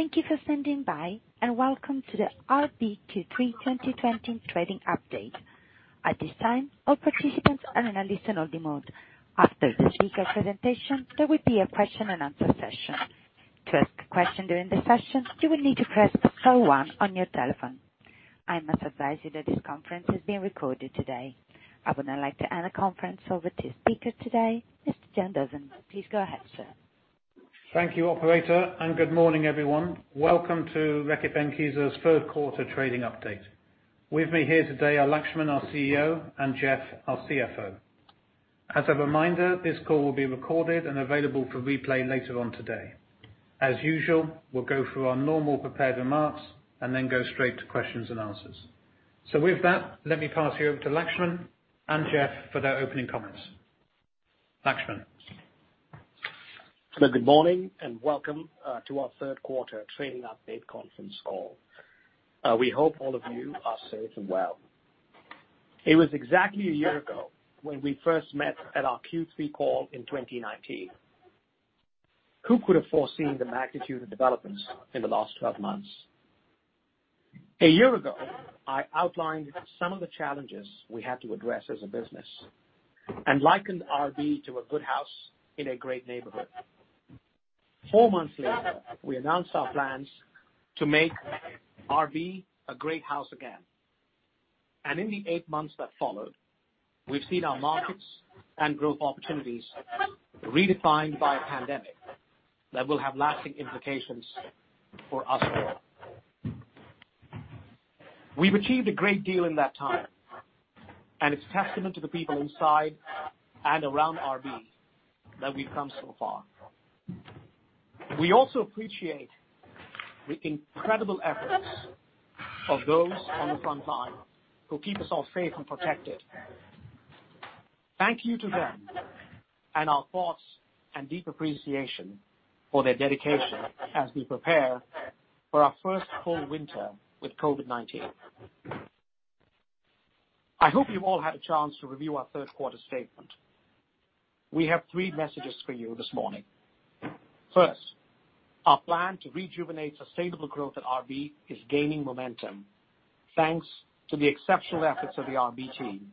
Thank you for standing by, and welcome to the RB Q3 2020 trading update. At this time, all participants are in a listen-only mode. After the speaker presentation, there will be a question and answer session. To ask a question during the session, you will need to press star one on your telephone. I must advise you that this conference is being recorded today. I would now like to hand the conference over to speaker today, Mr. Jan Duven. Please go ahead, sir. Thank you, operator, and good morning, everyone. Welcome to Reckitt Benckiser's third quarter trading update. With me here today are Laxman, our CEO, and Jeff, our CFO. As a reminder, this call will be recorded and available for replay later on today. As usual, we'll go through our normal prepared remarks and then go straight to questions and answers. With that, let me pass you over to Laxman and Jeff for their opening comments. Laxman. Good morning, and welcome to our third quarter trading update conference call. We hope all of you are safe and well. It was exactly a year ago when we first met at our Q3 call in 2019. Who could have foreseen the magnitude of developments in the last 12 months? A year ago, I outlined some of the challenges we had to address as a business and likened RB to a good house in a great neighborhood. Four months later, we announced our plans to make RB a great house again. In the eight months that followed, we've seen our markets and growth opportunities redefined by a pandemic that will have lasting implications for us all. We've achieved a great deal in that time, and it's a testament to the people inside and around RB that we've come so far. We also appreciate the incredible efforts of those on the front line who keep us all safe and protected. Thank you to them, and our thoughts and deep appreciation for their dedication as we prepare for our first full winter with COVID-19. I hope you've all had a chance to review our third quarter statement. We have three messages for you this morning. First, our plan to rejuvenate sustainable growth at RB is gaining momentum thanks to the exceptional efforts of the RB team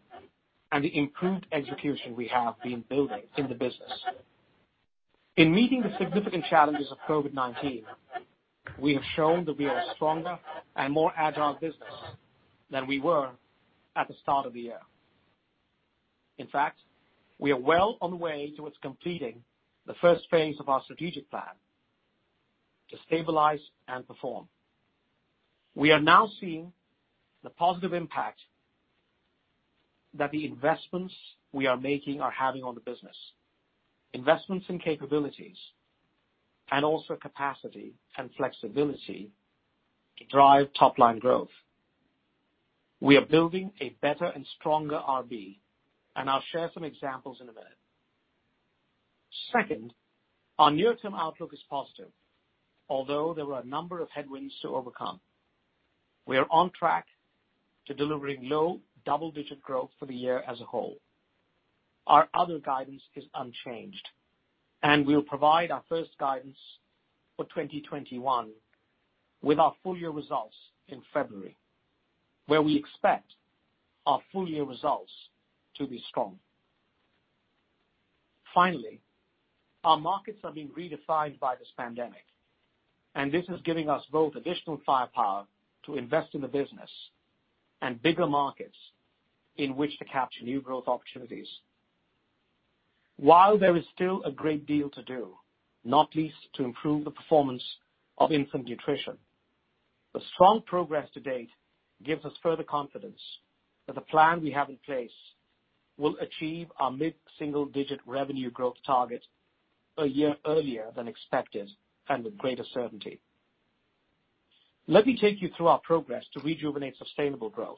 and the improved execution we have been building in the business. In meeting the significant challenges of COVID-19, we have shown that we are a stronger and more agile business than we were at the start of the year. In fact, we are well on the way towards completing the first phase of our strategic plan to stabilize and perform. We are now seeing the positive impact that the investments we are making are having on the business. Investments in capabilities, and also capacity and flexibility to drive top-line growth. We are building a better and stronger RB, and I'll share some examples in a minute. Second, our near-term outlook is positive, although there are a number of headwinds to overcome. We are on track to delivering low double-digit growth for the year as a whole. Our other guidance is unchanged. We'll provide our first guidance for 2021 with our full year results in February, where we expect our full year results to be strong. Finally, our markets are being redefined by this pandemic, and this is giving us both additional firepower to invest in the business and bigger markets in which to capture new growth opportunities. While there is still a great deal to do, not least to improve the performance of infant nutrition, the strong progress to date gives us further confidence that the plan we have in place will achieve our mid-single digit revenue growth target a year earlier than expected and with greater certainty. Let me take you through our progress to rejuvenate sustainable growth.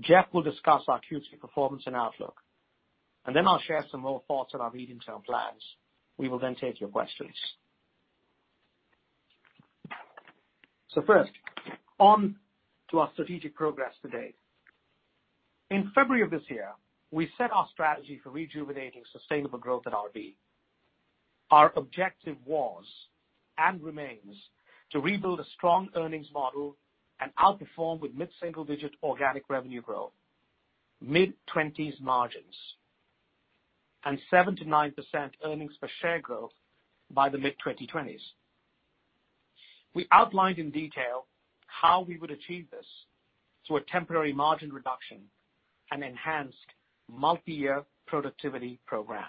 Jeff will discuss our Q3 performance and outlook. I'll share some more thoughts on our medium-term plans. We will take your questions. First, on to our strategic progress to date. In February of this year, we set our strategy for rejuvenating sustainable growth at RB. Our objective was, and remains, to rebuild a strong earnings model and outperform with mid-single digit organic revenue growth, mid-20s margins, and 79% earnings per share growth by the mid-2020s. We outlined in detail how we would achieve this through a temporary margin reduction and enhanced multi-year productivity program.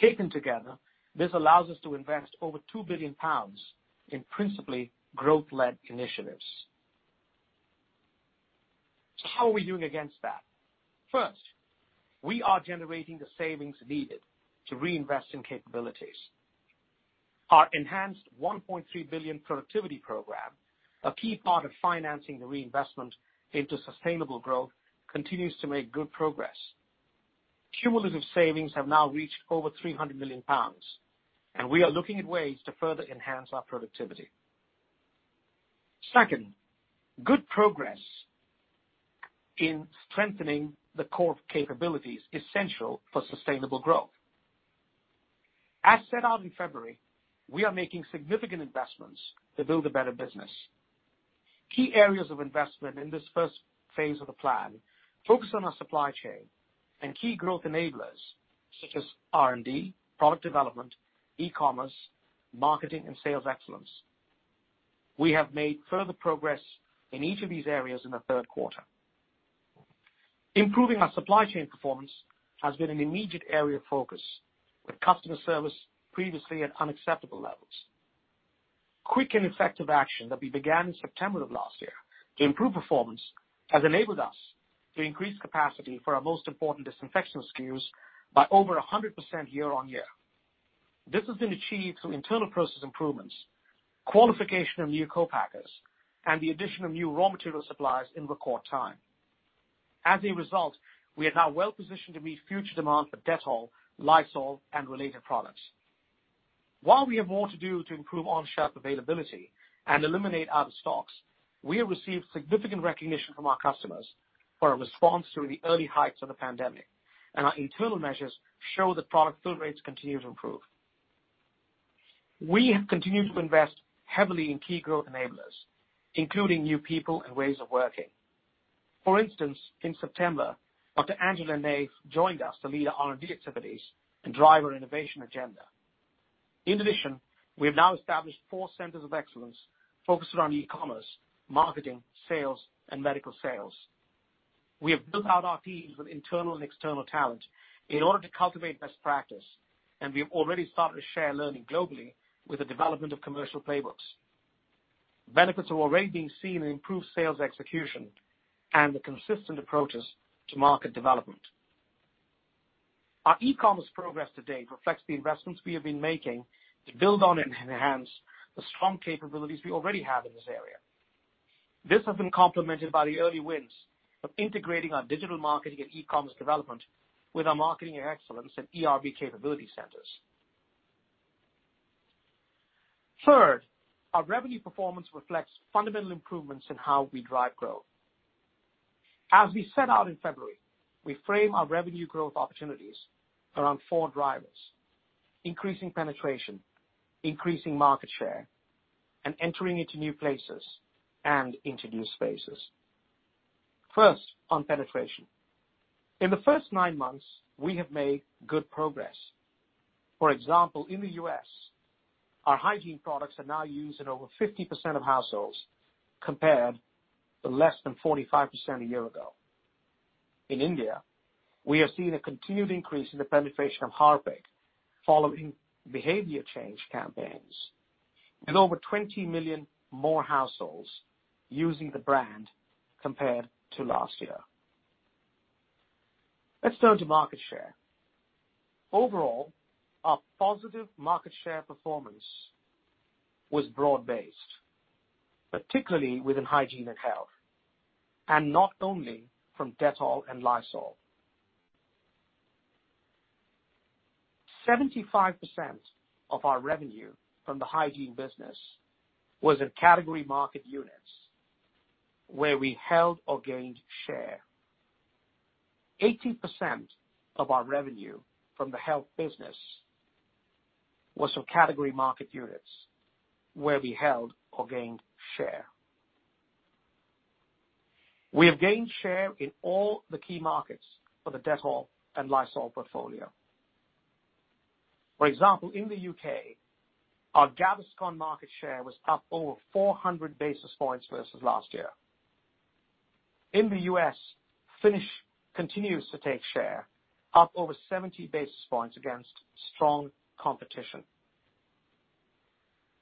Taken together, this allows us to invest over 2 billion pounds in principally growth-led initiatives. How are we doing against that? First, we are generating the savings needed to reinvest in capabilities. Our enhanced 1.3 billion productivity program, a key part of financing the reinvestment into sustainable growth, continues to make good progress. Cumulative savings have now reached over 300 million pounds, and we are looking at ways to further enhance our productivity. Second, good progress in strengthening the core capabilities essential for sustainable growth. As set out in February, we are making significant investments to build a better business. Key areas of investment in this first phase of the plan focus on our supply chain and key growth enablers such as R&D, product development, e-commerce, marketing, and sales excellence. We have made further progress in each of these areas in the third quarter. Improving our supply chain performance has been an immediate area of focus, with customer service previously at unacceptable levels. Quick and effective action that we began in September of last year to improve performance has enabled us to increase capacity for our most important disinfection SKUs by over 100% year-on-year. This has been achieved through internal process improvements, qualification of new co-packers, and the addition of new raw material suppliers in record time. As a result, we are now well-positioned to meet future demand for Dettol, Lysol, and related products. While we have more to do to improve on-shelf availability and eliminate out-of-stocks, we have received significant recognition from our customers for our response during the early heights of the pandemic, and our internal measures show that product fill rates continue to improve. We have continued to invest heavily in key growth enablers, including new people and ways of working. For instance, in September, Dr. Angela Naef joined us to lead our R&D activities and drive our innovation agenda. In addition, we have now established four centers of excellence focused around e-commerce, marketing, sales, and medical sales. We have built out our teams with internal and external talent in order to cultivate best practice, and we have already started to share learning globally with the development of commercial playbooks. Benefits are already being seen in improved sales execution and the consistent approaches to market development. Our e-commerce progress to date reflects the investments we have been making to build on and enhance the strong capabilities we already have in this area. This has been complemented by the early wins of integrating our digital marketing and e-commerce development with our marketing excellence and RV capability centers. Our revenue performance reflects fundamental improvements in how we drive growth. As we set out in February, we frame our revenue growth opportunities around four drivers, increasing penetration, increasing market share, and entering into new places and into new spaces. On penetration. In the first nine months, we have made good progress. For example, in the U.S., our hygiene products are now used in over 50% of households, compared to less than 45% a year ago. In India, we have seen a continued increase in the penetration of Harpic following behaviour change campaigns, with over 20 million more households using the brand compared to last year. Turn to market share. Overall, our positive market share performance was broad-based, particularly within hygiene and health, and not only from Dettol and Lysol. 75% of our revenue from the hygiene business was in Category Market Units where we held or gained share. 80% of our revenue from the health business was from Category Market Units where we held or gained share. We have gained share in all the key markets for the Dettol and Lysol portfolio. For example, in the U.K., our Gaviscon market share was up over 400 basis points versus last year. In the U.S., Finish continues to take share, up over 70 basis points against strong competition.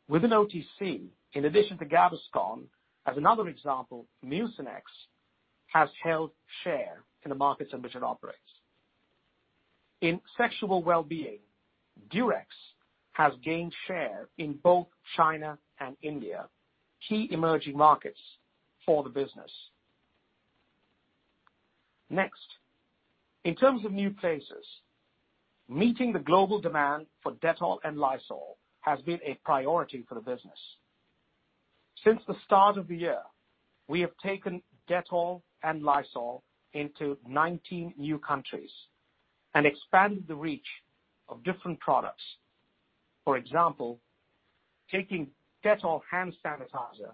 Within OTC, in addition to Gaviscon, as another example, Mucinex has held share in the markets in which it operates. In sexual well-being, Durex has gained share in both China and India, key emerging markets for the business. Next, in terms of new places, meeting the global demand for Dettol and Lysol has been a priority for the business. Since the start of the year, we have taken Dettol and Lysol into 19 new countries and expanded the reach of different products. For example, taking Dettol hand sanitizer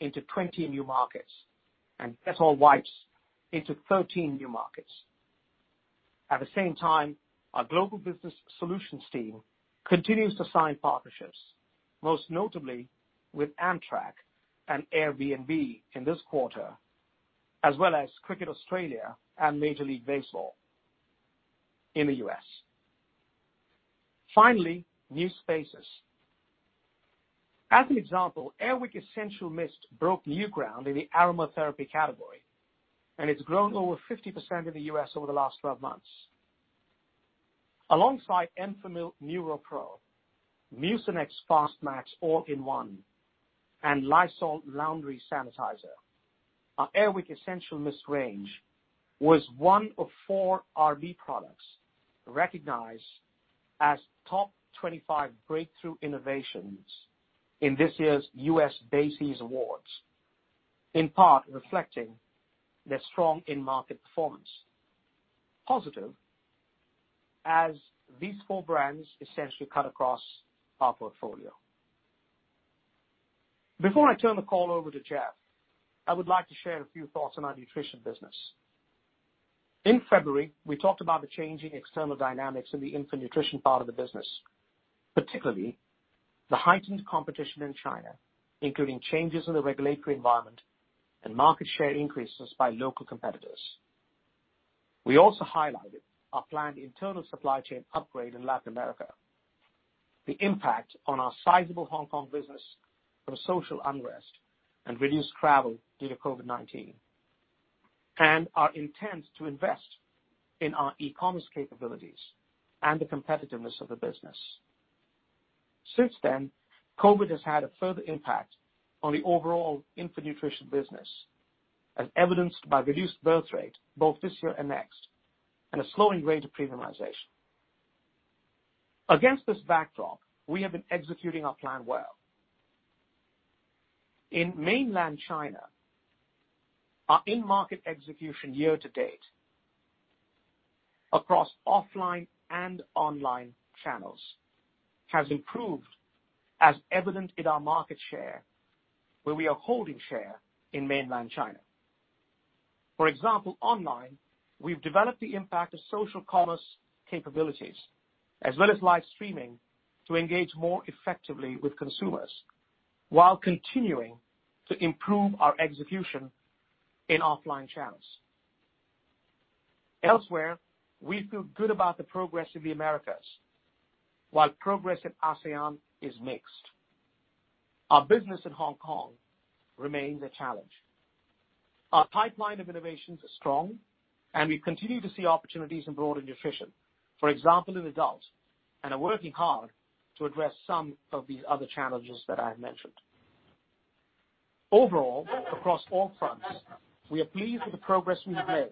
into 20 new markets and Dettol wipes into 13 new markets. At the same time, our global business solutions team continues to sign partnerships, most notably with Amtrak and Airbnb in this quarter, as well as Cricket Australia and Major League Baseball in the U.S. Finally, new spaces. As an example, Air Wick Essential Mist broke new ground in the aromatherapy category, and it's grown over 50% in the U.S. over the last 12 months. Alongside Enfamil NeuroPro, Mucinex Fast-Max all-in-one, and Lysol Laundry Sanitizer, our Air Wick Essential Mist range was one of four RB products recognized as top 25 breakthrough innovations in this year's U.S. BASES awards, in part reflecting their strong in-market performance. Positive as these four brands essentially cut across our portfolio. Before I turn the call over to Jeff, I would like to share a few thoughts on our nutrition business. In February, we talked about the changing external dynamics in the infant nutrition part of the business, particularly the heightened competition in China, including changes in the regulatory environment and market share increases by local competitors. We also highlighted our planned internal supply chain upgrade in Latin America, the impact on our sizable Hong Kong business from social unrest, and reduced travel due to COVID-19, and our intent to invest in our e-commerce capabilities and the competitiveness of the business. Since then, COVID-19 has had a further impact on the overall infant nutrition business, as evidenced by reduced birth rate both this year and next, and a slowing rate of premiumization. Against this backdrop, we have been executing our plan well. In mainland China, our in-market execution year to date across offline and online channels has improved, as evident in our market share, where we are holding share in mainland China. For example, online, we've developed the impact of social commerce capabilities as well as live streaming to engage more effectively with consumers while continuing to improve our execution in offline channels. Elsewhere, we feel good about the progress in the Americas, while progress in ASEAN is mixed. Our business in Hong Kong remains a challenge. Our pipeline of innovations is strong, and we continue to see opportunities in broader nutrition, for example, in adults, and are working hard to address some of these other challenges that I have mentioned. Across all fronts, we are pleased with the progress we have made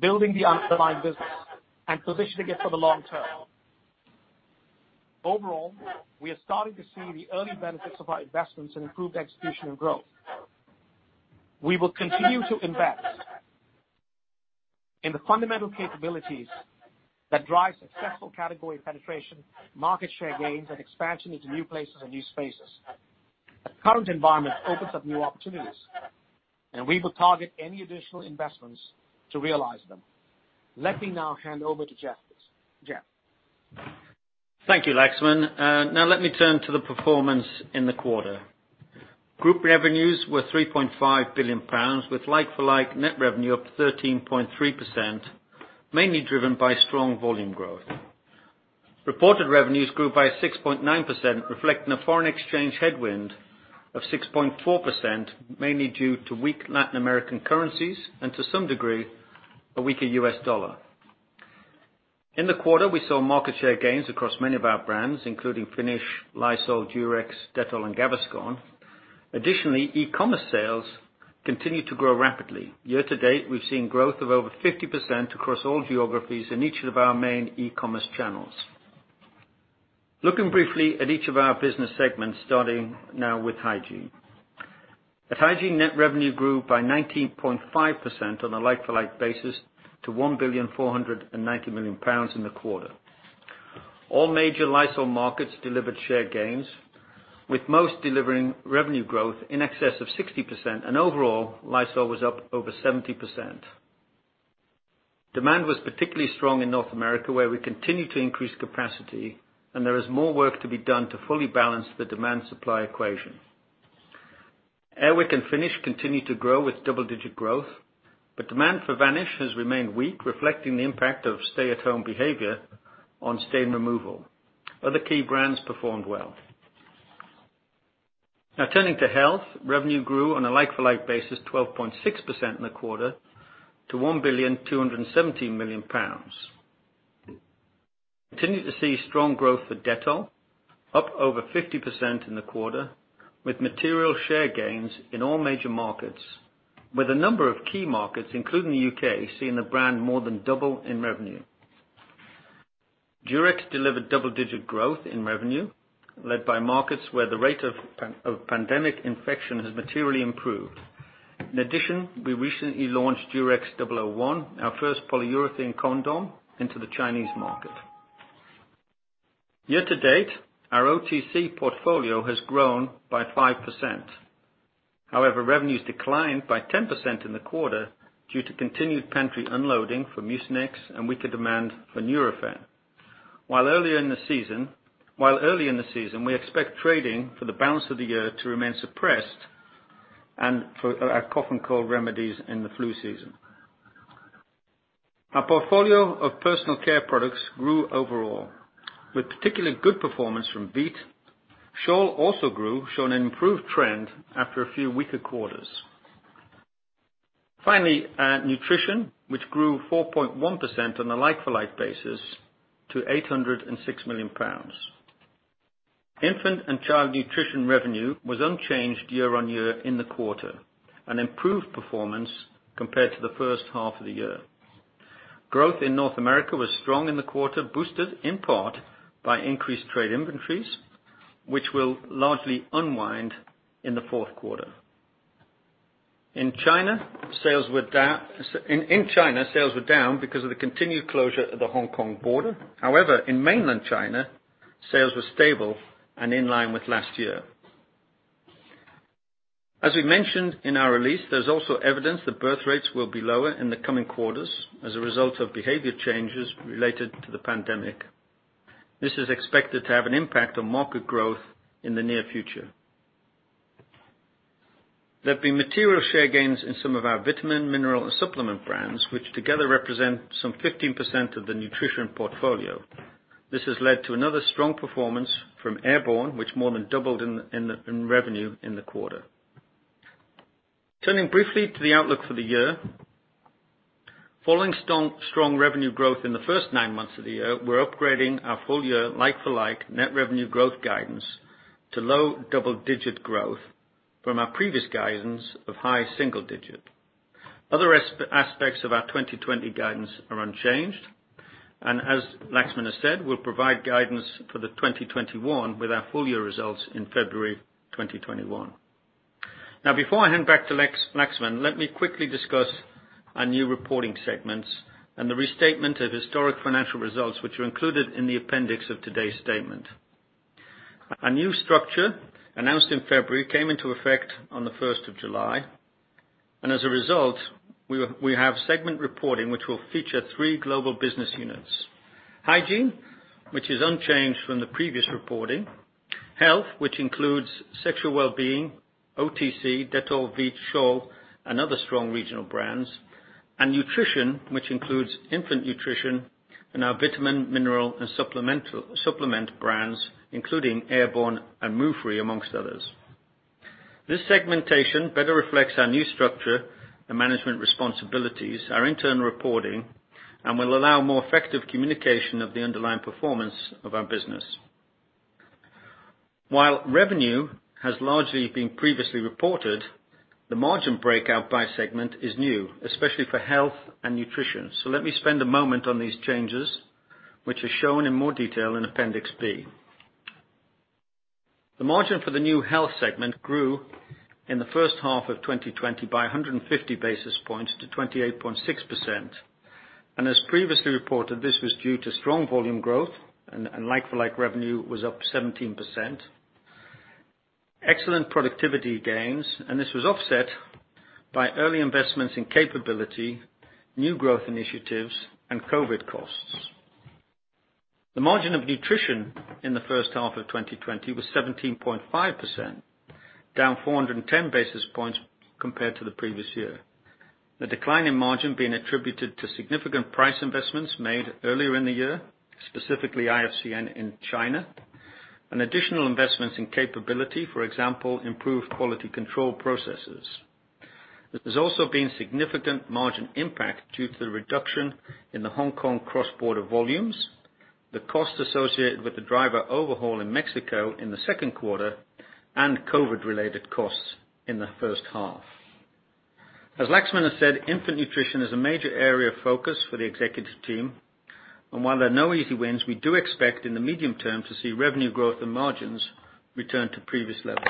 building the underlying business and positioning it for the long term. We are starting to see the early benefits of our investments in improved execution and growth. We will continue to invest in the fundamental capabilities that drive successful category penetration, market share gains, and expansion into new places and new spaces. The current environment opens up new opportunities, and we will target any additional investments to realize them. Let me now hand over to Jeff. Jeff? Thank you, Laxman. Now let me turn to the performance in the quarter. Group revenues were 3.5 billion pounds, with like-for-like net revenue up 13.3%, mainly driven by strong volume growth. Reported revenues grew by 6.9%, reflecting a foreign exchange headwind of 6.4%, mainly due to weak Latin American currencies and, to some degree, a weaker US dollar. In the quarter, we saw market share gains across many of our brands, including Finish, Lysol, Durex, Dettol, and Gaviscon. Additionally, e-commerce sales continued to grow rapidly. Year to date, we've seen growth of over 50% across all geographies in each of our main e-commerce channels. Looking briefly at each of our business segments, starting now with Hygiene. At Hygiene, net revenue grew by 19.5% on a like-for-like basis to GBP 1.49 billion in the quarter. All major Lysol markets delivered share gains, with most delivering revenue growth in excess of 60%. Overall, Lysol was up over 70%. Demand was particularly strong in North America, where we continue to increase capacity, and there is more work to be done to fully balance the demand/supply equation. Air Wick and Finish continued to grow with double-digit growth, demand for Vanish has remained weak, reflecting the impact of stay-at-home behaviour on stain removal. Other key brands performed well. Now turning to health. Revenue grew on a like-for-like basis 12.6% in the quarter to 1,217,000,000 pounds. Continue to see strong growth for Dettol, up over 50% in the quarter, with material share gains in all major markets, with a number of key markets, including the U.K., seeing the brand more than double in revenue. Durex delivered double-digit growth in revenue, led by markets where the rate of pandemic infection has materially improved. In addition, we recently launched Durex 001, our first polyurethane condom, into the Chinese market. Year to date, our OTC portfolio has grown by 5%. Revenues declined by 10% in the quarter due to continued pantry unloading for Mucinex and weaker demand for Nurofen. While early in the season, we expect trading for the balance of the year to remain suppressed and for our cough and cold remedies in the flu season. Our portfolio of personal care products grew overall with particularly good performance from Veet. Scholl also grew, showing an improved trend after a few weaker quarters. Nutrition, which grew 4.1% on a like-for-like basis to 806 million pounds. Infant and child nutrition revenue was unchanged year on year in the quarter, an improved performance compared to the first half of the year. Growth in North America was strong in the quarter, boosted in part by increased trade inventories, which will largely unwind in the fourth quarter. In China, sales were down because of the continued closure of the Hong Kong border. However, in mainland China, sales were stable and in line with last year. As we mentioned in our release, there's also evidence that birth rates will be lower in the coming quarters as a result of behaviour changes related to the pandemic. This is expected to have an impact on market growth in the near future. There have been material share gains in some of our vitamin, mineral, and supplement brands, which together represent some 15% of the nutrition portfolio. This has led to another strong performance from Airborne, which more than doubled in revenue in the quarter. Turning briefly to the outlook for the year. Following strong revenue growth in the first nine months of the year, we're upgrading our full year like-for-like net revenue growth guidance to low double-digit growth from our previous guidance of high single digit. Other aspects of our 2020 guidance are unchanged. As Laxman has said, we'll provide guidance for the 2021 with our full year results in February 2021. Before I hand back to Laxman, let me quickly discuss our new reporting segments and the restatement of historic financial results, which are included in the appendix of today's statement. Our new structure, announced in February, came into effect on the 1st of July. As a result, we have segment reporting, which will feature three global business units. Hygiene, which is unchanged from the previous reporting. Health, which includes sexual well-being, OTC, Dettol, Veet, Scholl, and other strong regional brands. Nutrition, which includes infant Nutrition and our vitamin, mineral, and supplement brands, including Airborne and Move Free, amongst others. This segmentation better reflects our new structure and management responsibilities, our internal reporting, and will allow more effective communication of the underlying performance of our business. While revenue has largely been previously reported, the margin breakout by segment is new, especially for Health and Nutrition. Let me spend a moment on these changes, which are shown in more detail in Appendix B. The margin for the new Health segment grew in the first half of 2020 by 150 basis points to 28.6%, and as previously reported, this was due to strong volume growth, and like-for-like revenue was up 17%, excellent productivity gains, and this was offset by early investments in capability, new growth initiatives, and COVID costs. The margin of nutrition in the first half of 2020 was 17.5%, down 410 basis points compared to the previous year. The decline in margin being attributed to significant price investments made earlier in the year, specifically IFCN in China, and additional investments in capability, for example, improved quality control processes. There's also been significant margin impact due to the reduction in the Hong Kong cross-border volumes, the cost associated with the dryer overhaul in Mexico in the second quarter, and COVID-related costs in the first half. As Laxman has said, infant nutrition is a major area of focus for the executive team, and while there are no easy wins, we do expect in the medium term to see revenue growth and margins return to previous levels.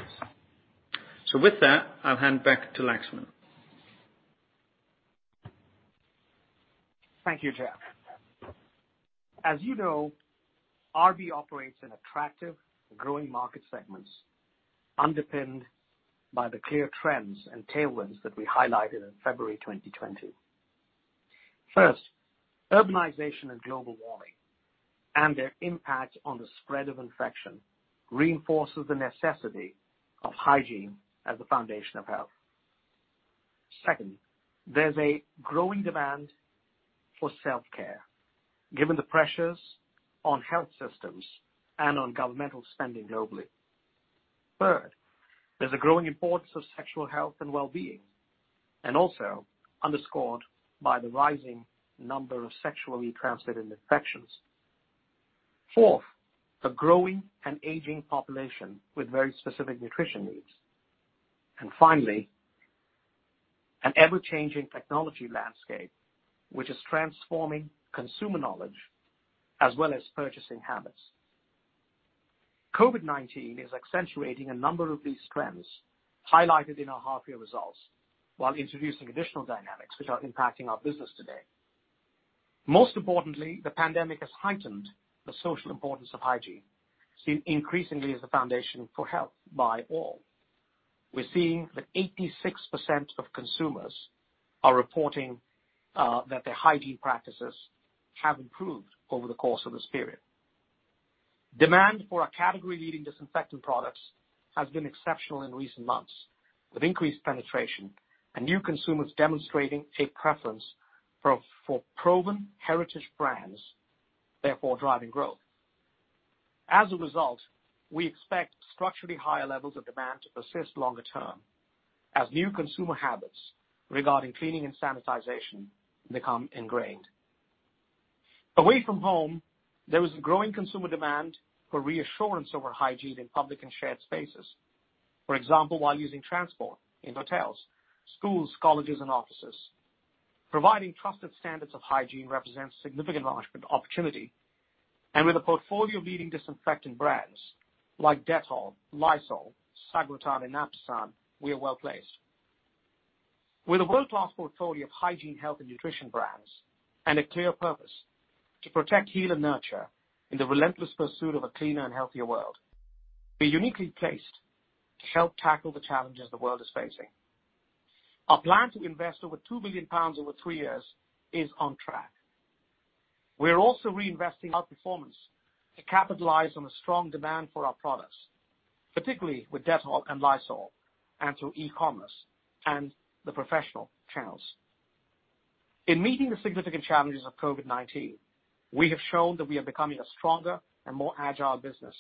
With that, I'll hand back to Laxman. Thank you, Jeff. As you know, RB operates in attractive growing market segments underpinned by the clear trends and tailwinds that we highlighted in February 2020. First, urbanization and global warming and their impact on the spread of infection reinforces the necessity of hygiene as the foundation of health. Second, there's a growing demand for self-care given the pressures on health systems and on governmental spending globally. Third, there's a growing importance of sexual health and well-being, and also underscored by the rising number of sexually transmitted infections. Fourth, a growing and ageing population with very specific nutrition needs. Finally, an ever-changing technology landscape, which is transforming consumer knowledge as well as purchasing habits. COVID-19 is accentuating a number of these trends highlighted in our half year results while introducing additional dynamics which are impacting our business today. Most importantly, the pandemic has heightened the social importance of hygiene, seen increasingly as the foundation for health by all. We're seeing that 86% of consumers are reporting that their hygiene practices have improved over the course of this period. Demand for our category-leading disinfectant products has been exceptional in recent months, with increased penetration and new consumers demonstrating a preference for proven heritage brands, therefore driving growth. We expect structurally higher levels of demand to persist longer term as new consumer habits regarding cleaning and sanitization become ingrained. Away from home, there is a growing consumer demand for reassurance over hygiene in public and shared spaces. For example, while using transport, in hotels, schools, colleges, and offices. Providing trusted standards of hygiene represents significant market opportunity, with a portfolio of leading disinfectant brands like Dettol, Lysol, Sagrotan, and Napisan, we are well-placed. With a world-class portfolio of hygiene, health, and nutrition brands, and a clear purpose to protect, heal, and nurture in the relentless pursuit of a cleaner and healthier world, we are uniquely placed to help tackle the challenges the world is facing. Our plan to invest over 2 billion pounds over three years is on track. We are also reinvesting outperformance to capitalize on the strong demand for our products, particularly with Dettol and Lysol, and through e-commerce and the professional channels. In meeting the significant challenges of COVID-19, we have shown that we are becoming a stronger and more agile business.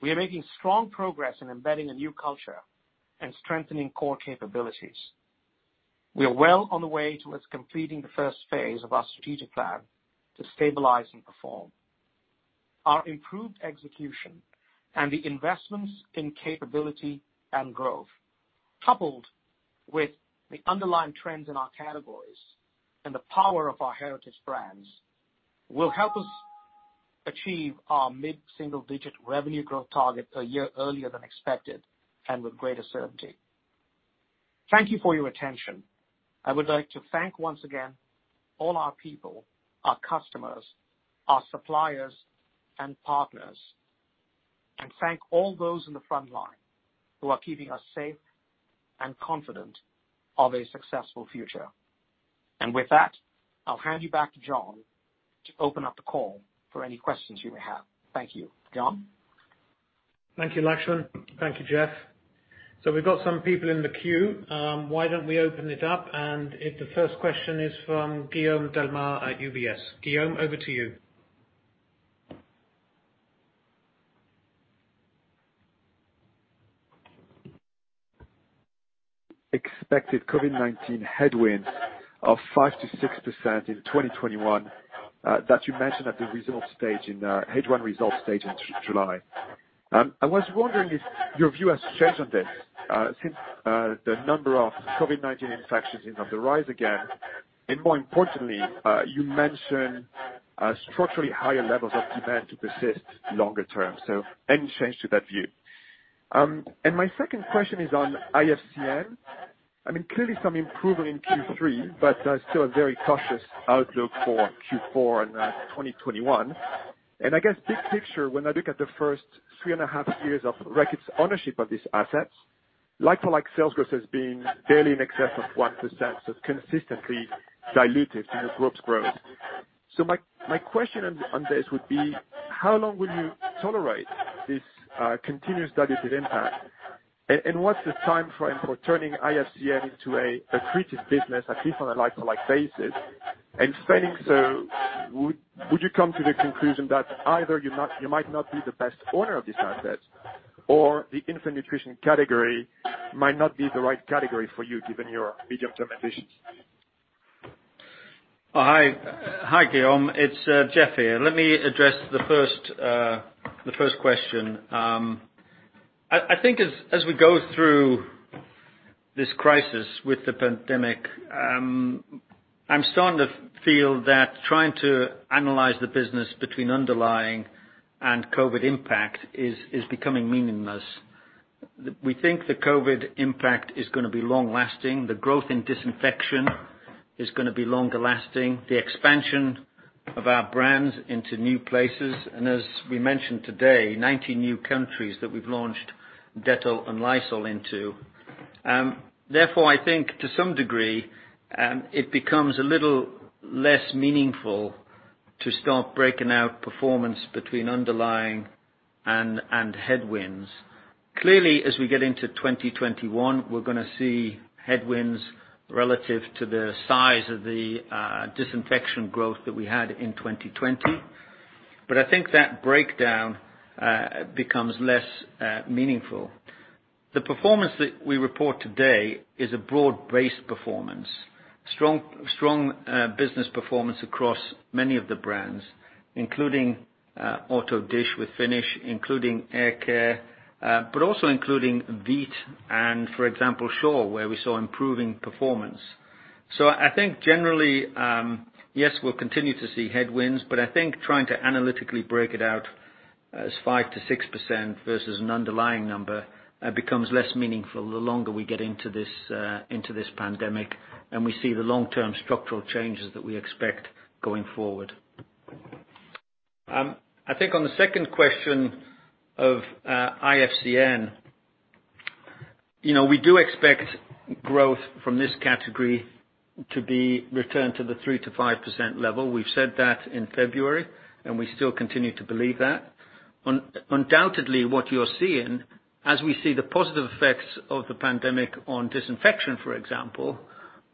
We are making strong progress in embedding a new culture and strengthening core capabilities. We are well on the way towards completing the first phase of our strategic plan to stabilize and perform. Our improved execution and the investments in capability and growth, coupled with the underlying trends in our categories and the power of our heritage brands, will help us achieve our mid-single digit revenue growth target a year earlier than expected and with greater certainty. Thank you for your attention. I would like to thank once again all our people, our customers, our suppliers, and partners, and thank all those on the front line who are keeping us safe and confident of a successful future. With that, I'll hand you back to John to open up the call for any questions you may have. Thank you. John? Thank you, Laxman. Thank you, Jeff. We've got some people in the queue. Why don't we open it up, the first question is from Guillaume Delmas at UBS. Guillaume, over to you. Expected COVID-19 headwinds of 5%-6% in 2021 that you mentioned at the results stage in H1 results stage in July. I was wondering if your view has changed on this since the number of COVID-19 infections is on the rise again, and more importantly, you mentioned structurally higher levels of demand to persist longer term. Any change to that view? My second question is on IFCN. Clearly some improvement in Q3, but still a very cautious outlook for Q4 and 2021. I guess big picture, when I look at the first three and a half years of Reckitt's ownership of this asset, like-for-like sales growth has been barely in excess of 1%, so it's consistently diluted in the group's growth. My question on this would be, how long will you tolerate this continuous diluted impact? What's the timeframe for turning IFCN into an accretive business, at least on a like-for-like basis? Failing so, would you come to the conclusion that either you might not be the best owner of this asset, or the infant nutrition category might not be the right category for you given your medium-term ambitions? Hi, Guillaume. It's Jeff here. Let me address the first question. I think as we go through this crisis with the pandemic, I'm starting to feel that trying to analyze the business between underlying and COVID impact is becoming meaningless. We think the COVID impact is going to be long-lasting. The growth in disinfection is going to be longer-lasting. The expansion of our brands into new places, and as we mentioned today, 19 new countries that we've launched Dettol and Lysol into. Therefore, I think to some degree, it becomes a little less meaningful to start breaking out performance between underlying and headwinds. Clearly, as we get into 2021, we're going to see headwinds relative to the size of the disinfection growth that we had in 2020. I think that breakdown becomes less meaningful. The performance that we report today is a broad-based performance. Strong business performance across many of the brands, including Auto Dish with Finish, including air care, but also including Veet and, for example, Sure, where we saw improving performance. I think generally, yes, we'll continue to see headwinds, but I think trying to analytically break it out as 5%-6% versus an underlying number becomes less meaningful the longer we get into this pandemic and we see the long-term structural changes that we expect going forward. I think on the second question of IFCN, we do expect growth from this category to be returned to the 3%-5% level. We've said that in February, and we still continue to believe that. Undoubtedly, what you are seeing as we see the positive effects of the pandemic on disinfection, for example,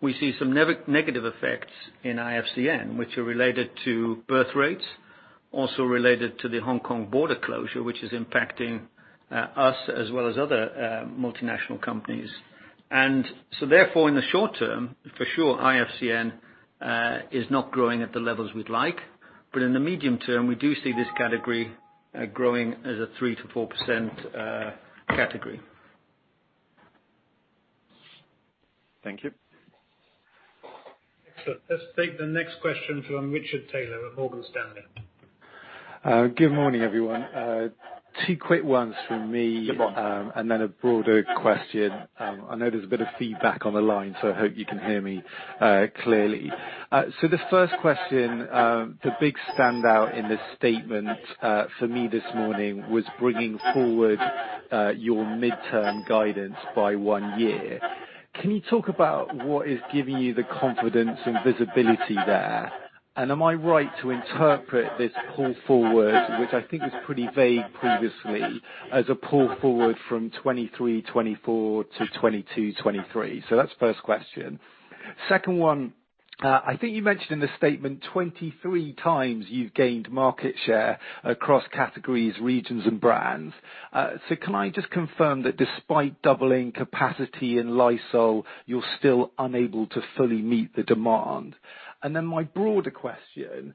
we see some negative effects in IFCN, which are related to birth rates. Also related to the Hong Kong border closure, which is impacting us as well as other multinational companies. Therefore, in the short term, for sure, IFCN is not growing at the levels we’d like. In the medium term, we do see this category growing as a 3%-4% category. Thank you. Excellent. Let's take the next question from Richard Taylor at Morgan Stanley. Good morning, everyone. Two quick ones from me. Good morning. Then a broader question. I know there's a bit of feedback on the line, so I hope you can hear me clearly. The first question, the big standout in this statement for me this morning was bringing forward your midterm guidance by one year. Can you talk about what is giving you the confidence and visibility there? Am I right to interpret this pull forward, which I think was pretty vague previously, as a pull forward from 2023, 2024 to 2022, 2023? That's the first question. Second one, I think you mentioned in the statement 23x you've gained market share across categories, regions, and brands. Can I just confirm that despite doubling capacity in Lysol, you're still unable to fully meet the demand? Then my broader question,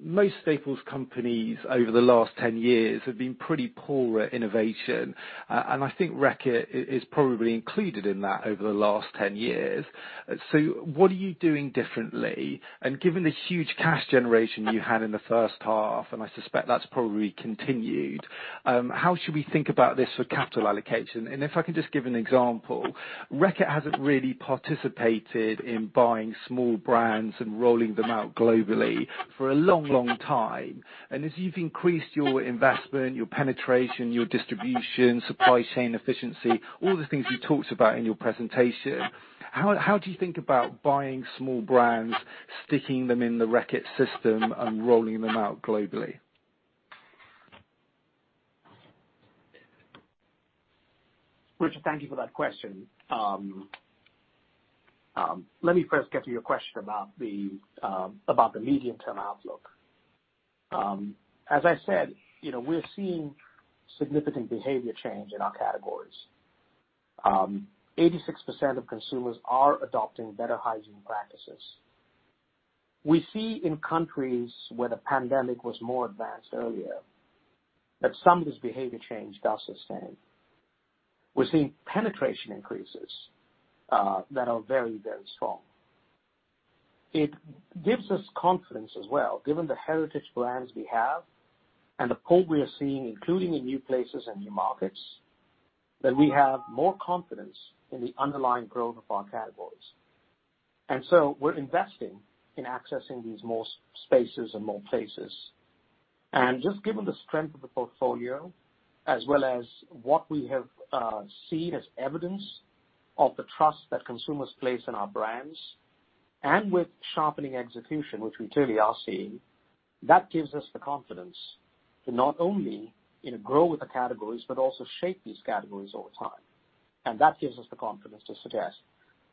most staples companies over the last 10 years have been pretty poor at innovation. I think Reckitt is probably included in that over the last 10 years. What are you doing differently? Given the huge cash generation you had in the first half, and I suspect that's probably continued, how should we think about this for capital allocation? If I can just give an example, Reckitt hasn't really participated in buying small brands and rolling them out globally for a long, long time. As you've increased your investment, your penetration, your distribution, supply chain efficiency, all the things you talked about in your presentation, how do you think about buying small brands, sticking them in the Reckitt system and rolling them out globally? Richard, thank you for that question. Let me first get to your question about the medium-term outlook. As I said, we're seeing significant behaviour change in our categories. 86% of consumers are adopting better hygiene practices. We see in countries where the pandemic was more advanced earlier, that some of this behaviour change does sustain. We're seeing penetration increases that are very, very strong. It gives us confidence as well, given the heritage brands we have and the pull we are seeing, including in new places and new markets, that we have more confidence in the underlying growth of our categories. We're investing in accessing these more spaces and more places. Just given the strength of the portfolio, as well as what we have seen as evidence of the trust that consumers place in our brands, with sharpening execution, which we clearly are seeing, that gives us the confidence to not only grow with the categories, but also shape these categories over time. That gives us the confidence to suggest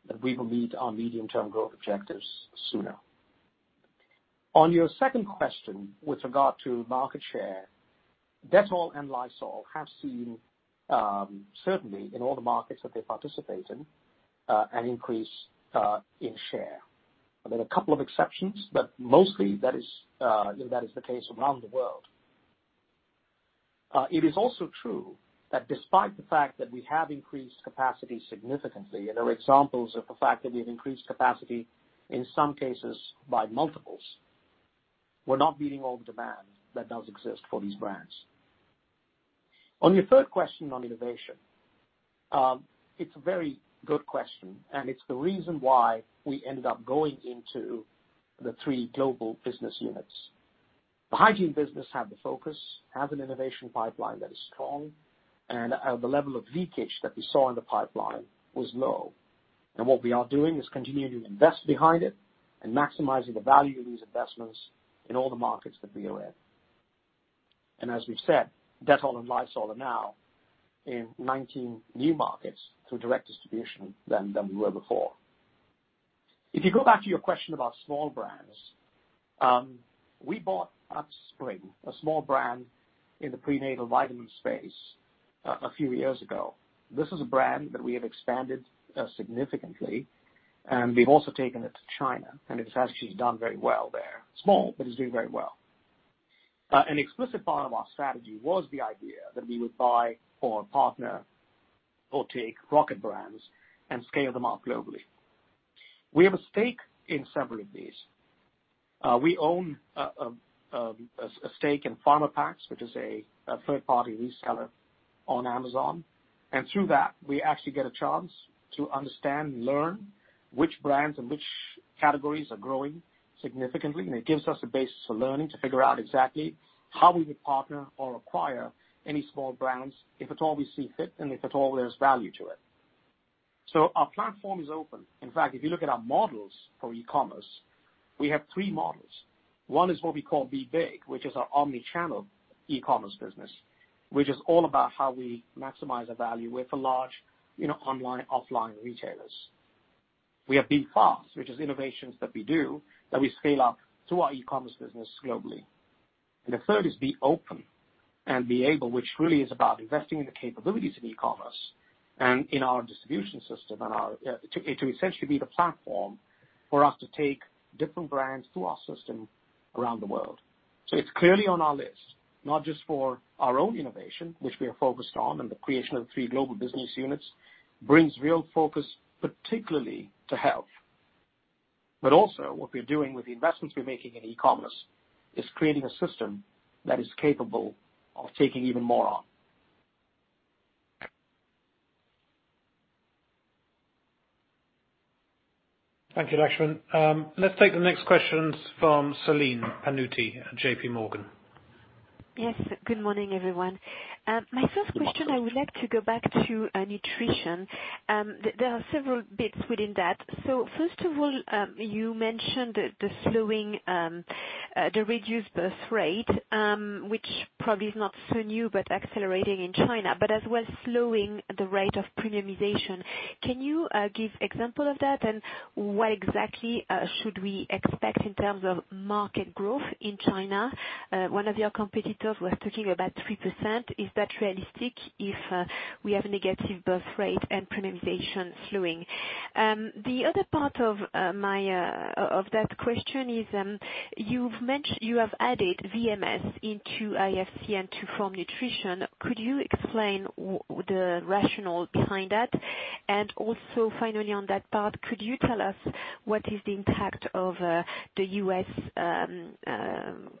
that we will meet our medium-term growth objectives sooner. On your second question with regard to market share, Dettol and Lysol have seen, certainly in all the markets that they participate in, an increase in share. There have been a couple of exceptions, but mostly that is the case around the world. It is also true that despite the fact that we have increased capacity significantly, and there are examples of the fact that we've increased capacity, in some cases by multiples, we're not meeting all the demand that does exist for these brands. On your third question on innovation, it's a very good question, and it's the reason why we ended up going into the three global business units. The hygiene business had the focus, has an innovation pipeline that is strong, and the level of leakage that we saw in the pipeline was low. What we are doing is continuing to invest behind it and maximizing the value of these investments in all the markets that we are in. As we've said, Dettol and Lysol are now in 19 new markets through direct distribution than we were before. If you go back to your question about small brands, we bought UpSpring, a small brand in the prenatal vitamin space a few years ago. This is a brand that we have expanded significantly, and we've also taken it to China, and it has actually done very well there. Small, but it's doing very well. An explicit part of our strategy was the idea that we would buy or partner or take Reckitt brands and scale them up globally. We have a stake in several of these. We own a stake in Pharmapacks, which is a third-party reseller on Amazon. Through that, we actually get a chance to understand and learn which brands and which categories are growing significantly. It gives us a basis for learning to figure out exactly how we would partner or acquire any small brands if at all we see fit and if at all there's value to it. Our platform is open. In fact, if you look at our models for e-commerce, we have three models. One is what we call Be Big, which is our omni-channel e-commerce business. Which is all about how we maximize the value with the large online, offline retailers. We have Be Fast, which is innovations that we do, that we scale up to our e-commerce business globally. The third is Be Open and Be Able, which really is about investing in the capabilities of e-commerce and in our distribution system to essentially be the platform for us to take different brands through our system around the world. It's clearly on our list, not just for our own innovation, which we are focused on, and the creation of three global business units brings real focus, particularly to health. Also what we're doing with the investments we're making in e-commerce is creating a system that is capable of taking even more on. Thank you, Laxman. Let's take the next questions from Celine Pannuti at JP Morgan. Yes. Good morning, everyone. My first question, I would like to go back to nutrition. There are several bits within that. First of all, you mentioned the reduced birth rate, which probably is not so new, but accelerating in China, but as well, slowing the rate of premiumization. Can you give example of that? What exactly should we expect in terms of market growth in China? One of your competitors was talking about 3%. Is that realistic if we have negative birth rate and premiumization slowing? The other part of that question is, you have added VMS into IFCN and to form nutrition. Could you explain the rationale behind that? Also, finally, on that part, could you tell us what is the impact of the U.S.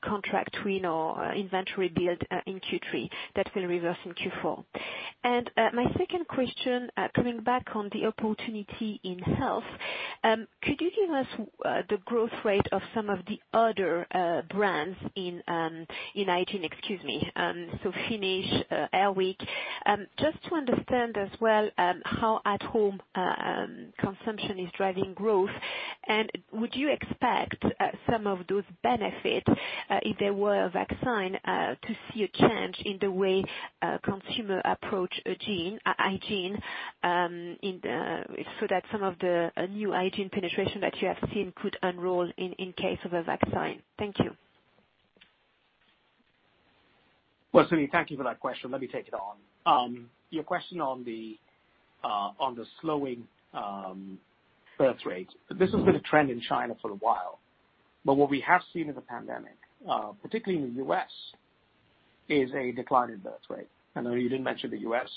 contract win or inventory build in Q3 that will reverse in Q4? My second question, coming back on the opportunity in health, could you give us the growth rate of some of the other brands in hygiene? Finish, Air Wick. Just to understand as well how at-home consumption is driving growth, and would you expect some of those benefits, if there were a vaccine, to see a change in the way consumer approach hygiene, so that some of the new hygiene penetration that you have seen could unroll in case of a vaccine? Thank you. Well, Celine, thank you for that question. Let me take it on. Your question on the slowing birthrate. This has been a trend in China for a while, what we have seen with the pandemic, particularly in the U.S., is a decline in birthrate. I know you didn't mention the U.S.,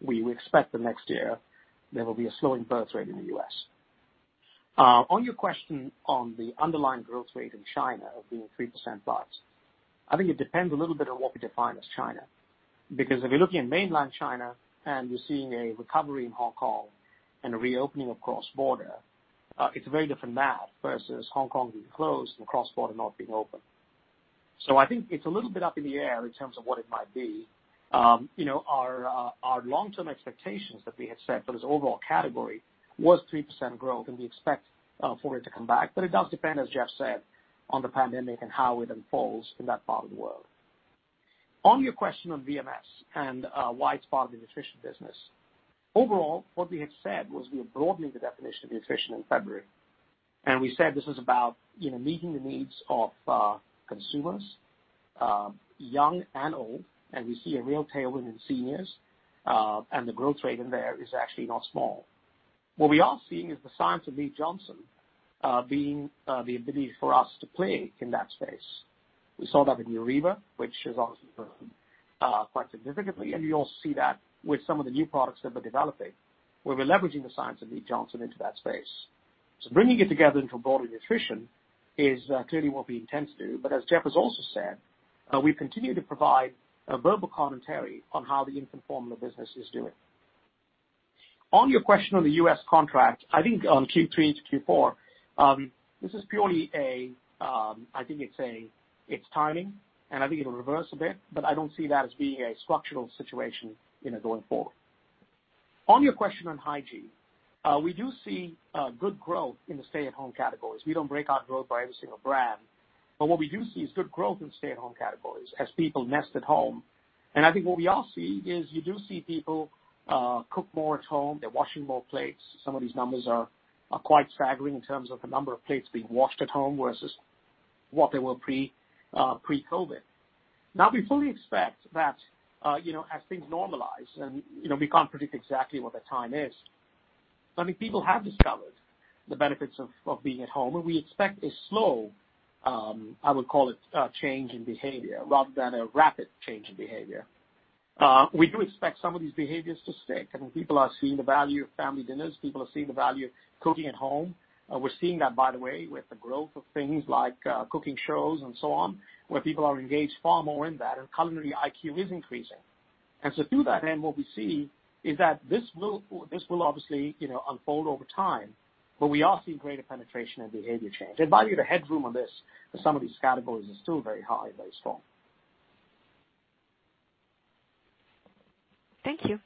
we expect the next year there will be a slowing birthrate in the U.S. On your question on the underlying growth rate in China of being 3%+, I think it depends a little bit on what we define as China. If you're looking at mainland China and you're seeing a recovery in Hong Kong and a reopening of cross-border, it's very different now versus Hong Kong being closed and cross-border not being open. I think it's a little bit up in the air in terms of what it might be. Our long-term expectations that we had set for this overall category was 3% growth, and we expect for it to come back. It does depend, as Jeff said, on the pandemic and how it unfolds in that part of the world. On your question on VMS and why it's part of the Nutrition business. Overall, what we had said was we are broadening the definition of nutrition in February, and we said this is about meeting the needs of consumers, young and old, and we see a real tailwind in seniors. The growth rate in there is actually not small. What we are seeing is the science of Mead Johnson, the ability for us to play in that space. We saw that with Nutramigen, which has obviously grown quite significantly. You'll see that with some of the new products that we're developing, where we're leveraging the science of Mead Johnson into that space. Bringing it together into a broader nutrition is clearly what we intend to do. As Jeff has also said, we continue to provide verbal commentary on how the infant formula business is doing. On your question on the U.S. contract, I think on Q3 to Q4, this is purely I think it's timing and I think it'll reverse a bit, but I don't see that as being a structural situation going forward. On your question on hygiene, we do see good growth in the stay-at-home categories. We don't break out growth by every single brand, but what we do see is good growth in stay-at-home categories as people nest at home. I think what we all see is you do see people cook more at home. They're washing more plates. Some of these numbers are quite staggering in terms of the number of plates being washed at home versus what they were pre-COVID. We fully expect that as things normalize, and we can't predict exactly what the time is, but I think people have discovered the benefits of being at home, and we expect a slow, I would call it a change in behaviour rather than a rapid change in behaviour. We do expect some of these behaviours to stick. I think people are seeing the value of family dinners. People are seeing the value of cooking at home. We're seeing that, by the way, with the growth of things like cooking shows and so on, where people are engaged far more in that, and culinary IQ is increasing. Through that end, what we see is that this will obviously unfold over time, but we are seeing greater penetration and behaviour change. By the way, the headroom on this for some of these categories is still very high, very strong. Thank you.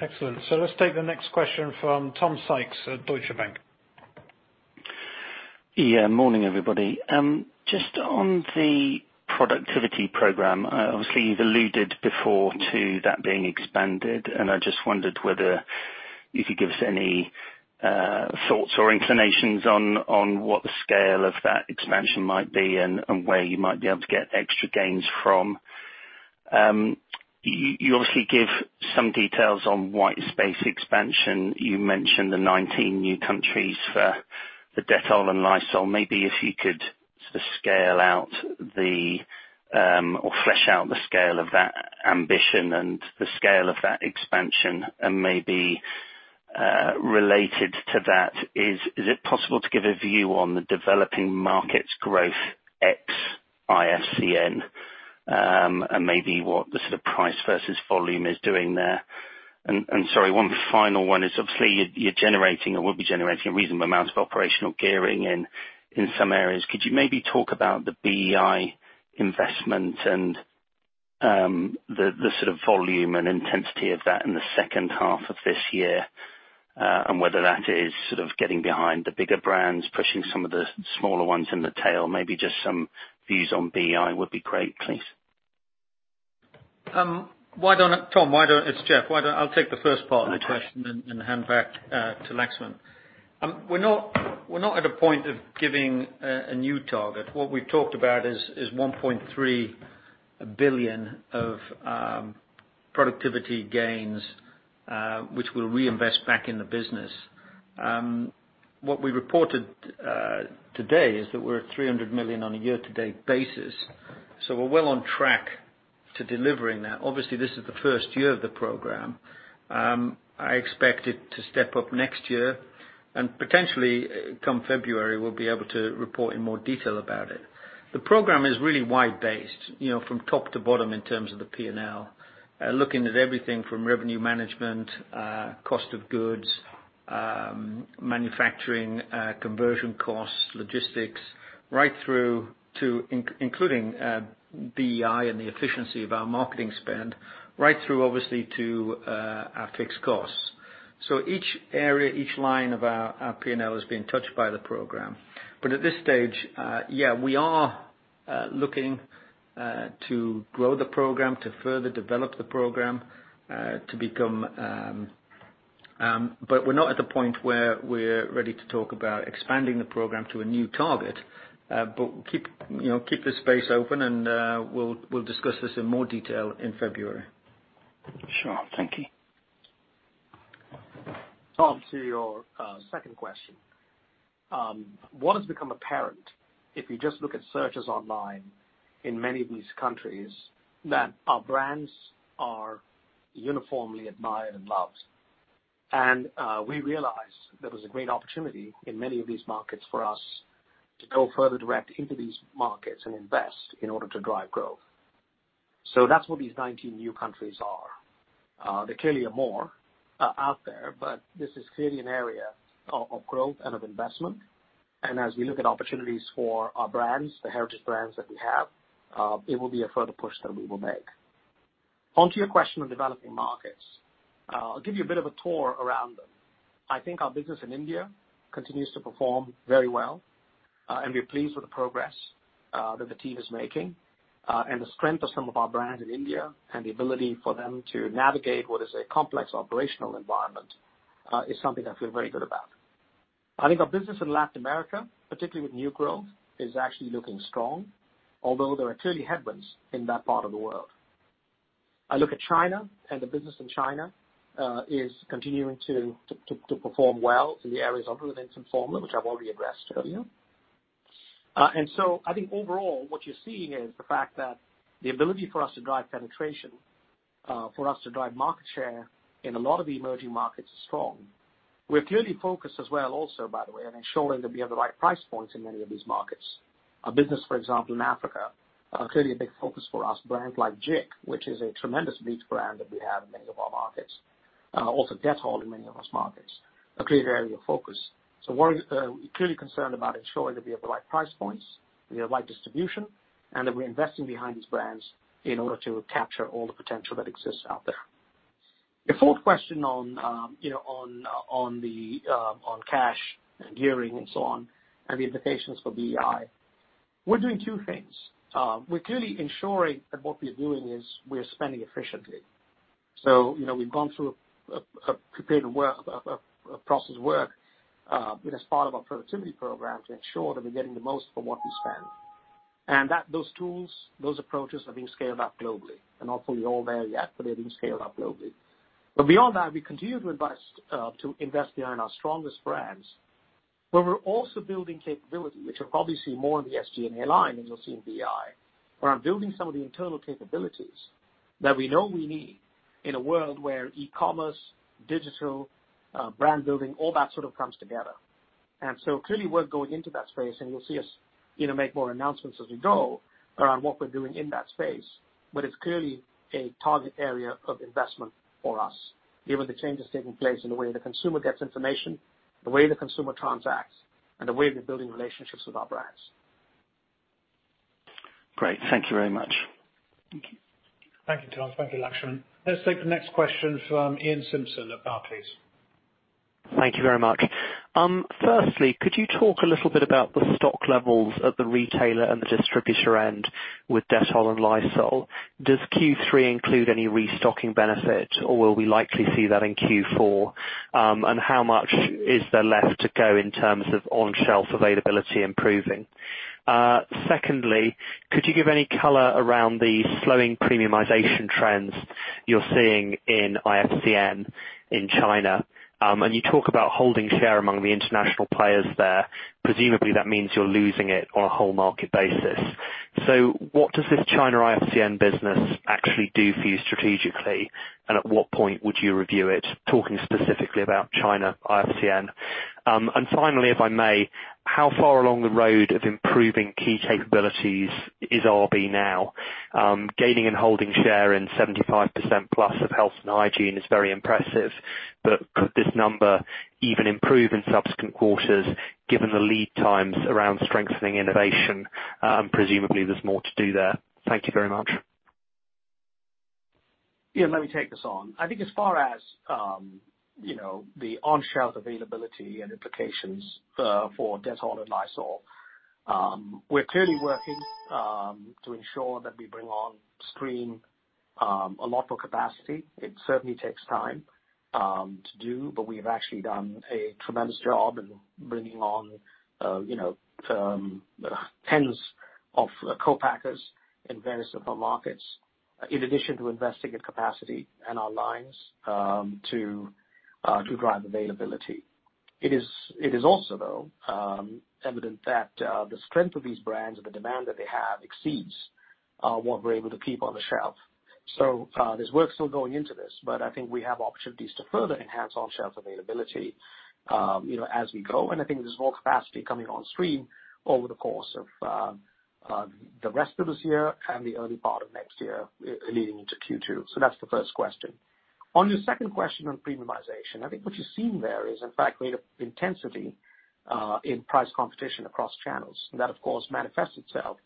Excellent. Let's take the next question from Tom Sykes at Deutsche Bank. Yeah. Morning, everybody. Just on the productivity program, obviously you've alluded before to that being expanded, and I just wondered whether you could give us any thoughts or inclinations on what the scale of that expansion might be and where you might be able to get extra gains from. You obviously give some details on white space expansion. You mentioned the 19 new countries for Dettol and Lysol. Maybe if you could sort of scale out or flesh out the scale of that ambition and the scale of that expansion and maybe related to that, is it possible to give a view on the developing markets growth ex-IFCN, and maybe what the sort of price versus volume is doing there? Sorry, one final one is obviously you're generating or will be generating a reasonable amount of operational gearing in some areas. Could you maybe talk about the BEI investment and the sort of volume and intensity of that in the second half of this year, and whether that is sort of getting behind the bigger brands, pushing some of the smaller ones in the tail? Maybe just some views on BEI would be great, please. Tom, it's Jeff. I'll take the first part of the question. Okay Hand back to Laxman. We're not at a point of giving a new target. What we've talked about is 1.3 billion of productivity gains, which we'll reinvest back in the business. What we reported today is that we're at 300 million on a year-to-date basis, we're well on track to delivering that. This is the first year of the program. I expect it to step up next year potentially come February, we'll be able to report in more detail about it. The program is really wide-based, from top to bottom in terms of the P&L. Looking at everything from revenue management, cost of goods, manufacturing, conversion costs, logistics, including BEI and the efficiency of our marketing spend, right through, obviously, to our fixed costs. Each area, each line of our P&L is being touched by the program. At this stage, yeah, we are looking to grow the program, to further develop the program, but we're not at the point where we're ready to talk about expanding the program to a new target. Keep the space open and we'll discuss this in more detail in February. Sure. Thank you. Tom, to your second question. What has become apparent, if you just look at searches online in many of these countries, that our brands are uniformly admired and loved. We realized there was a great opportunity in many of these markets for us to go further direct into these markets and invest in order to drive growth. That's what these 19 new countries are. There clearly are more out there, this is clearly an area of growth and of investment. As we look at opportunities for our brands, the heritage brands that we have, it will be a further push that we will make. Onto your question of developing markets. I'll give you a bit of a tour around them. I think our business in India continues to perform very well, we are pleased with the progress that the team is making. The strength of some of our brands in India and the ability for them to navigate what is a complex operational environment, is something I feel very good about. I think our business in Latin America, particularly with new growth, is actually looking strong, although there are clearly headwinds in that part of the world. I look at China, and the business in China is continuing to perform well in the areas other than consumer, which I have already addressed earlier. I think overall, what you are seeing is the fact that the ability for us to drive penetration, for us to drive market share in a lot of the emerging markets is strong. We are clearly focused as well, also, by the way, on ensuring that we have the right price points in many of these markets. Our business, for example, in Africa, clearly a big focus for us. Brands like Jik, which is a tremendous bleach brand that we have in many of our markets. Also Dettol in many of those markets, a clear area of focus. We're clearly concerned about ensuring that we have the right price points, we have right distribution, and that we're investing behind these brands in order to capture all the potential that exists out there. Your fourth question on cash and gearing and so on, and the implications for BEI. We're doing two things. We're clearly ensuring that what we are doing is we are spending efficiently. We've gone through a period of process work, as part of our productivity program, to ensure that we're getting the most for what we spend. Those tools, those approaches are being scaled up globally and not fully all there yet, but they're being scaled up globally. Beyond that, we continue to invest behind our strongest brands, but we're also building capability, which you'll probably see more in the SG&A line than you'll see in BEI, around building some of the internal capabilities that we know we need in a world where e-commerce, digital, brand building, all that sort of comes together. Clearly we're going into that space and you'll see us make more announcements as we go around what we're doing in that space. It's clearly a target area of investment for us, given the changes taking place in the way the consumer gets information, the way the consumer transacts, and the way we're building relationships with our brands. Great. Thank you very much. Thank you. Thank you, Tom. Thank you, Laxman. Let's take the next question from Iain Simpson at Barclays. Thank you very much. Firstly, could you talk a little bit about the stock levels at the retailer and the distributor end with Dettol and Lysol? Does Q3 include any restocking benefit, or will we likely see that in Q4? How much is there left to go in terms of on-shelf availability improving? Secondly, could you give any color around the slowing premiumization trends you're seeing in IFCN in China? You talk about holding share among the international players there. Presumably, that means you're losing it on a whole market basis. What does this China IFCN business actually do for you strategically, and at what point would you review it? Talking specifically about China IFCN. Finally, if I may, how far along the road of improving key capabilities is RB now? Gaining and holding share in 75%+ of health and hygiene is very impressive, but could this number even improve in subsequent quarters given the lead times around strengthening innovation? Presumably there's more to do there. Thank you very much. Yeah, let me take this on. I think as far as the on-shelf availability and implications for Dettol and Lysol, we're clearly working to ensure that we bring on stream a lot more capacity. It certainly takes time to do, but we've actually done a tremendous job in bringing on 10's of co-packers in various other markets, in addition to investing in capacity and our lines to drive availability. It is also though evident that the strength of these brands and the demand that they have exceeds what we're able to keep on the shelf. There's work still going into this, but I think we have opportunities to further enhance on-shelf availability as we go. I think there's more capacity coming on stream over the course of the rest of this year and the early part of next year leading into Q2. That's the first question. On your second question on premiumization, I think what you're seeing there is, in fact, greater intensity in price competition across channels. That, of course, manifests itself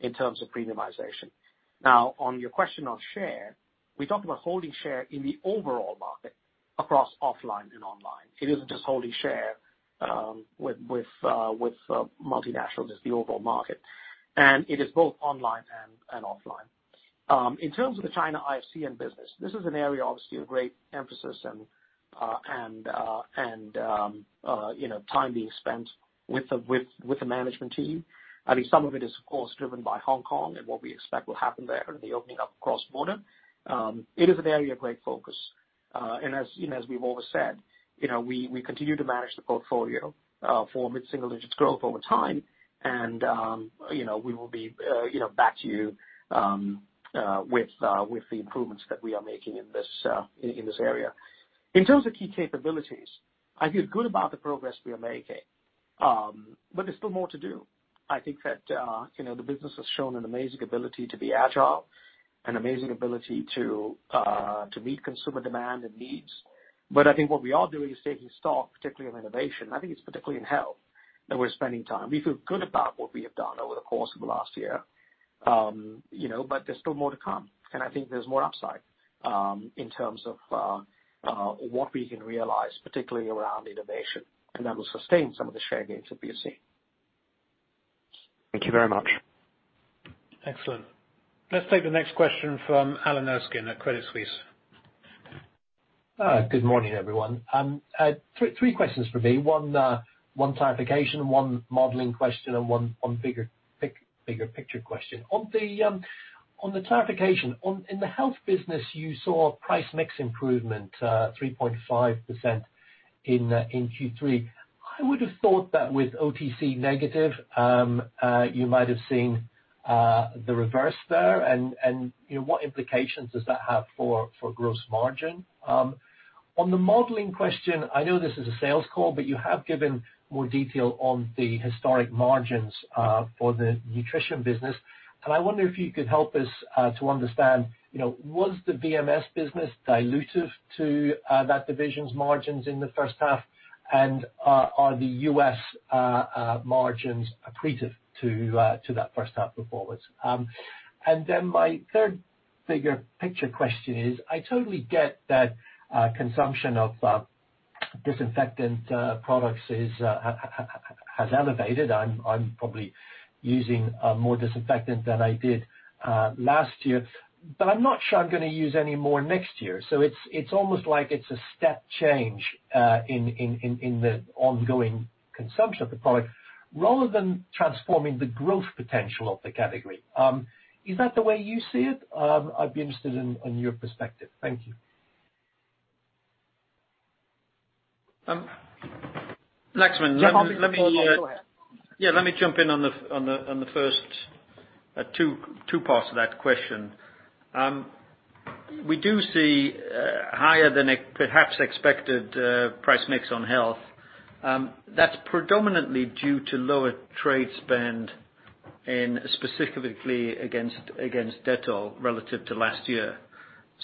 in terms of premiumization. On your question on share, we talked about holding share in the overall market across offline and online. It isn't just holding share with multinationals, it's the overall market. It is both online and offline. In terms of the China IFCN business, this is an area, obviously, of great emphasis and time being spent with the management team. I think some of it is, of course, driven by Hong Kong and what we expect will happen there, the opening up cross-border. It is an area of great focus. As we've always said, we continue to manage the portfolio for mid-single digits growth over time, and we will be back to you with the improvements that we are making in this area. In terms of key capabilities, I feel good about the progress we are making. There's still more to do. I think that the business has shown an amazing ability to be agile, an amazing ability to meet consumer demand and needs. I think what we are doing is taking stock, particularly on innovation. I think it's particularly in health that we're spending time. We feel good about what we have done over the course of the last year. There's still more to come, and I think there's more upside, in terms of, what we can realize, particularly around innovation, and that will sustain some of the share gains that we are seeing. Thank you very much. Excellent. Let's take the next question from Alan Erskine at Credit Suisse. Good morning, everyone. Three questions from me. One clarification, one modeling question, and one bigger picture question. On the clarification, in the health business, you saw price mix improvement, 3.5% in Q3. I would have thought that with OTC negative, you might have seen the reverse there and what implications does that have for gross margin? On the modelling question, I know this is a sales call, you have given more detail on the historic margins for the nutrition business. I wonder if you could help us to understand, was the VMS business dilutive to that division's margins in the first half, and are the U.S. margins accretive to that first half performance? My third bigger picture question is, I totally get that consumption of disinfectant products has elevated. I'm probably using more disinfectant than I did last year, but I'm not sure I'm gonna use any more next year. It's almost like it's a step change in the ongoing consumption of the product rather than transforming the growth potential of the category. Is that the way you see it? I'd be interested in your perspective. Thank you. Laxman. Yeah. Go ahead. Let me jump in on the first two parts of that question. We do see higher than perhaps expected price mix on health. That's predominantly due to lower trade spend, and specifically against Dettol relative to last year.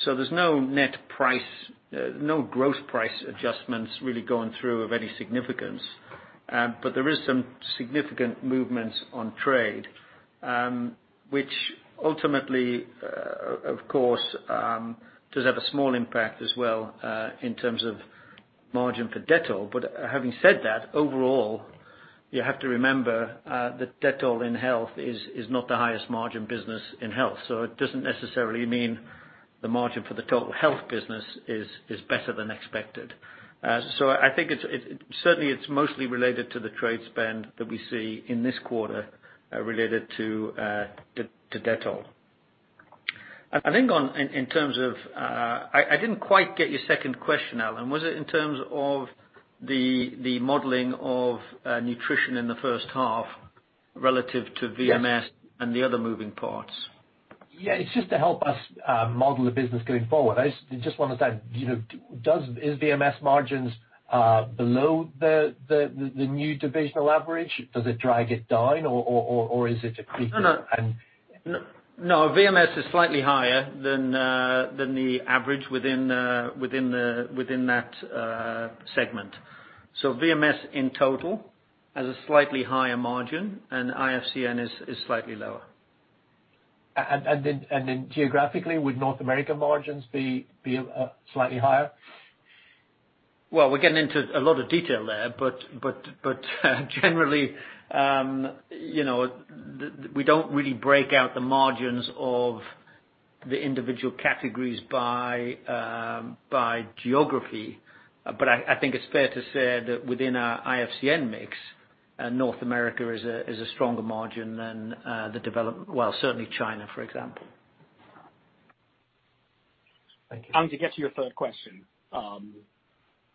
There's no net price, no gross price adjustments really going through of any significance. There is some significant movements on trade, which ultimately, of course, does have a small impact as well in terms of margin for Dettol. Having said that, overall, you have to remember that Dettol in health is not the highest margin business in health. It doesn't necessarily mean the margin for the total health business is better than expected. I think certainly it's mostly related to the trade spend that we see in this quarter related to Dettol. I think in terms of I didn't quite get your second question, Alan. Was it in terms of the modeling of nutrition in the first half relative to VMS? Yes The other moving parts? Yeah, it's just to help us model the business going forward. Is VMS margins below the new divisional average? Does it drag it down? No. VMS is slightly higher than the average within that segment. VMS in total has a slightly higher margin, and IFCN is slightly lower. Geographically, would North America margins be slightly higher? We're getting into a lot of detail there, but generally, we don't really break out the margins of the individual categories by geography. I think it's fair to say that within our IFCN mix, North America is a stronger margin than the developed. Well, certainly China, for example. Thank you. To get to your third question,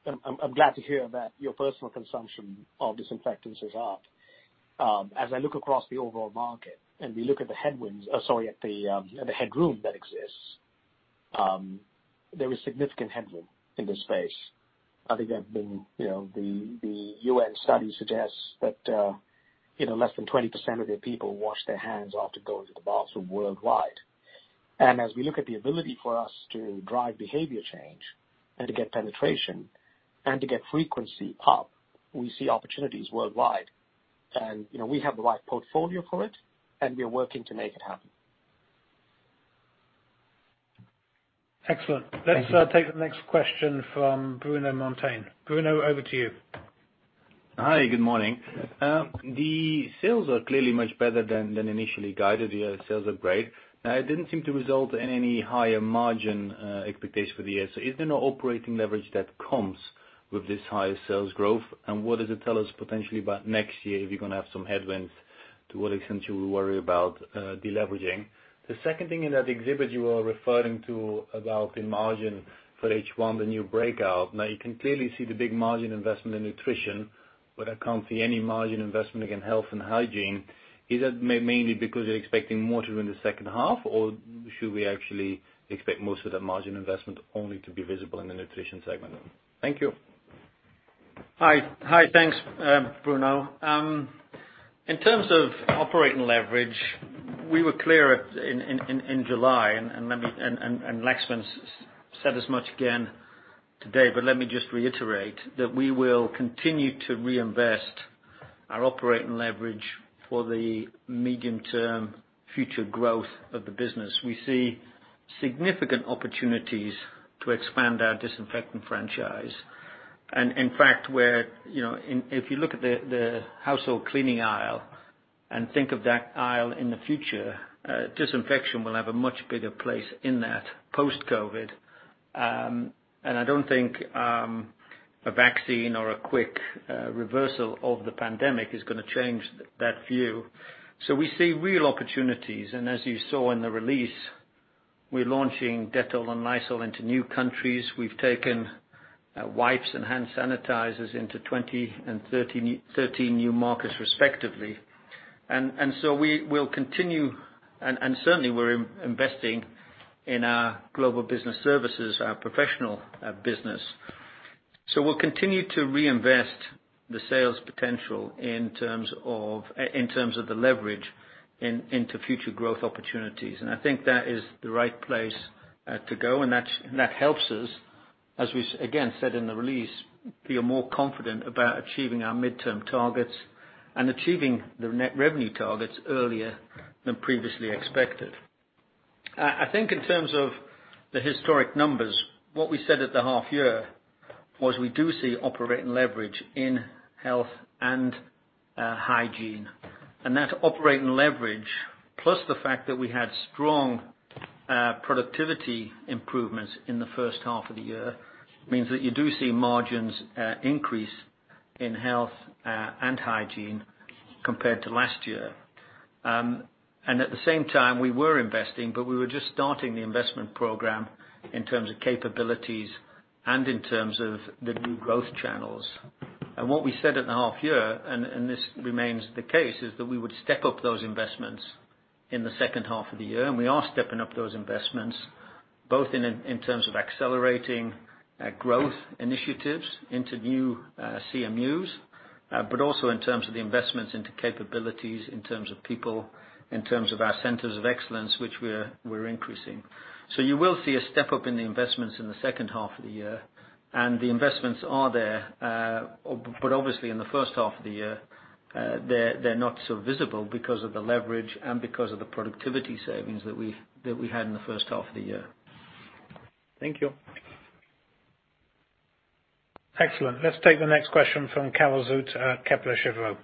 I'm glad to hear that your personal consumption of disinfectants is up. As I look across the overall market, and we look at the headroom that exists, there is significant headroom in this space. I think the UN study suggests that less than 20% of their people wash their hands after going to the bathroom worldwide. As we look at the ability for us to drive behaviour change and to get penetration and to get frequency up, we see opportunities worldwide. We have the right portfolio for it, and we are working to make it happen. Excellent. Thank you. Let's take the next question from Bruno Monteyne. Bruno, over to you. Hi, good morning. The sales are clearly much better than initially guided. The sales are great. It didn't seem to result in any higher margin expectation for the year. Is there no operating leverage that comes with this higher sales growth? What does it tell us potentially about next year if you're going to have some headwinds, to what extent you will worry about deleveraging? The second thing in that exhibit you are referring to about the margin for H1, the new breakout. You can clearly see the big margin investment in nutrition, but I can't see any margin investment in health and hygiene. Is that mainly because you're expecting more to be in the second half, or should we actually expect most of the margin investment only to be visible in the nutrition segment? Thank you. Hi. Thanks, Bruno. In terms of operating leverage, we were clear in July, Laxman said as much again today, but let me just reiterate that we will continue to reinvest our operating leverage for the medium-term future growth of the business. We see significant opportunities to expand our disinfectant franchise. In fact, if you look at the household cleaning aisle and think of that aisle in the future, disinfection will have a much bigger place in that post-COVID. I don't think a vaccine or a quick reversal of the pandemic is going to change that view. We see real opportunities. As you saw in the release, we're launching Dettol and Lysol into new countries. We've taken wipes and hand sanitizers into 20 and 13 new markets, respectively. So we will continue, and certainly we're investing in our global business solutions, our professional business. We'll continue to reinvest the sales potential in terms of the leverage into future growth opportunities. I think that is the right place to go, and that helps us, as we, again, said in the release, feel more confident about achieving our midterm targets and achieving the net revenue targets earlier than previously expected. I think in terms of the historic numbers, what we said at the half year was we do see operating leverage in health and hygiene. That operating leverage, plus the fact that we had strong productivity improvements in the first half of the year, means that you do see margins increase in health and hygiene compared to last year. At the same time, we were investing, but we were just starting the investment program in terms of capabilities and in terms of the new growth channels. What we said at the half year, and this remains the case, is that we would step up those investments in the second half of the year. We are stepping up those investments, both in terms of accelerating growth initiatives into new CMUs. Also in terms of the investments into capabilities, in terms of people, in terms of our centers of excellence, which we're increasing. You will see a step-up in the investments in the second half of the year, and the investments are there. Obviously in the first half of the year, they're not so visible because of the leverage and because of the productivity savings that we had in the first half of the year. Thank you. Excellent. Let's take the next question from Karel Zoete, Kepler Cheuvreux.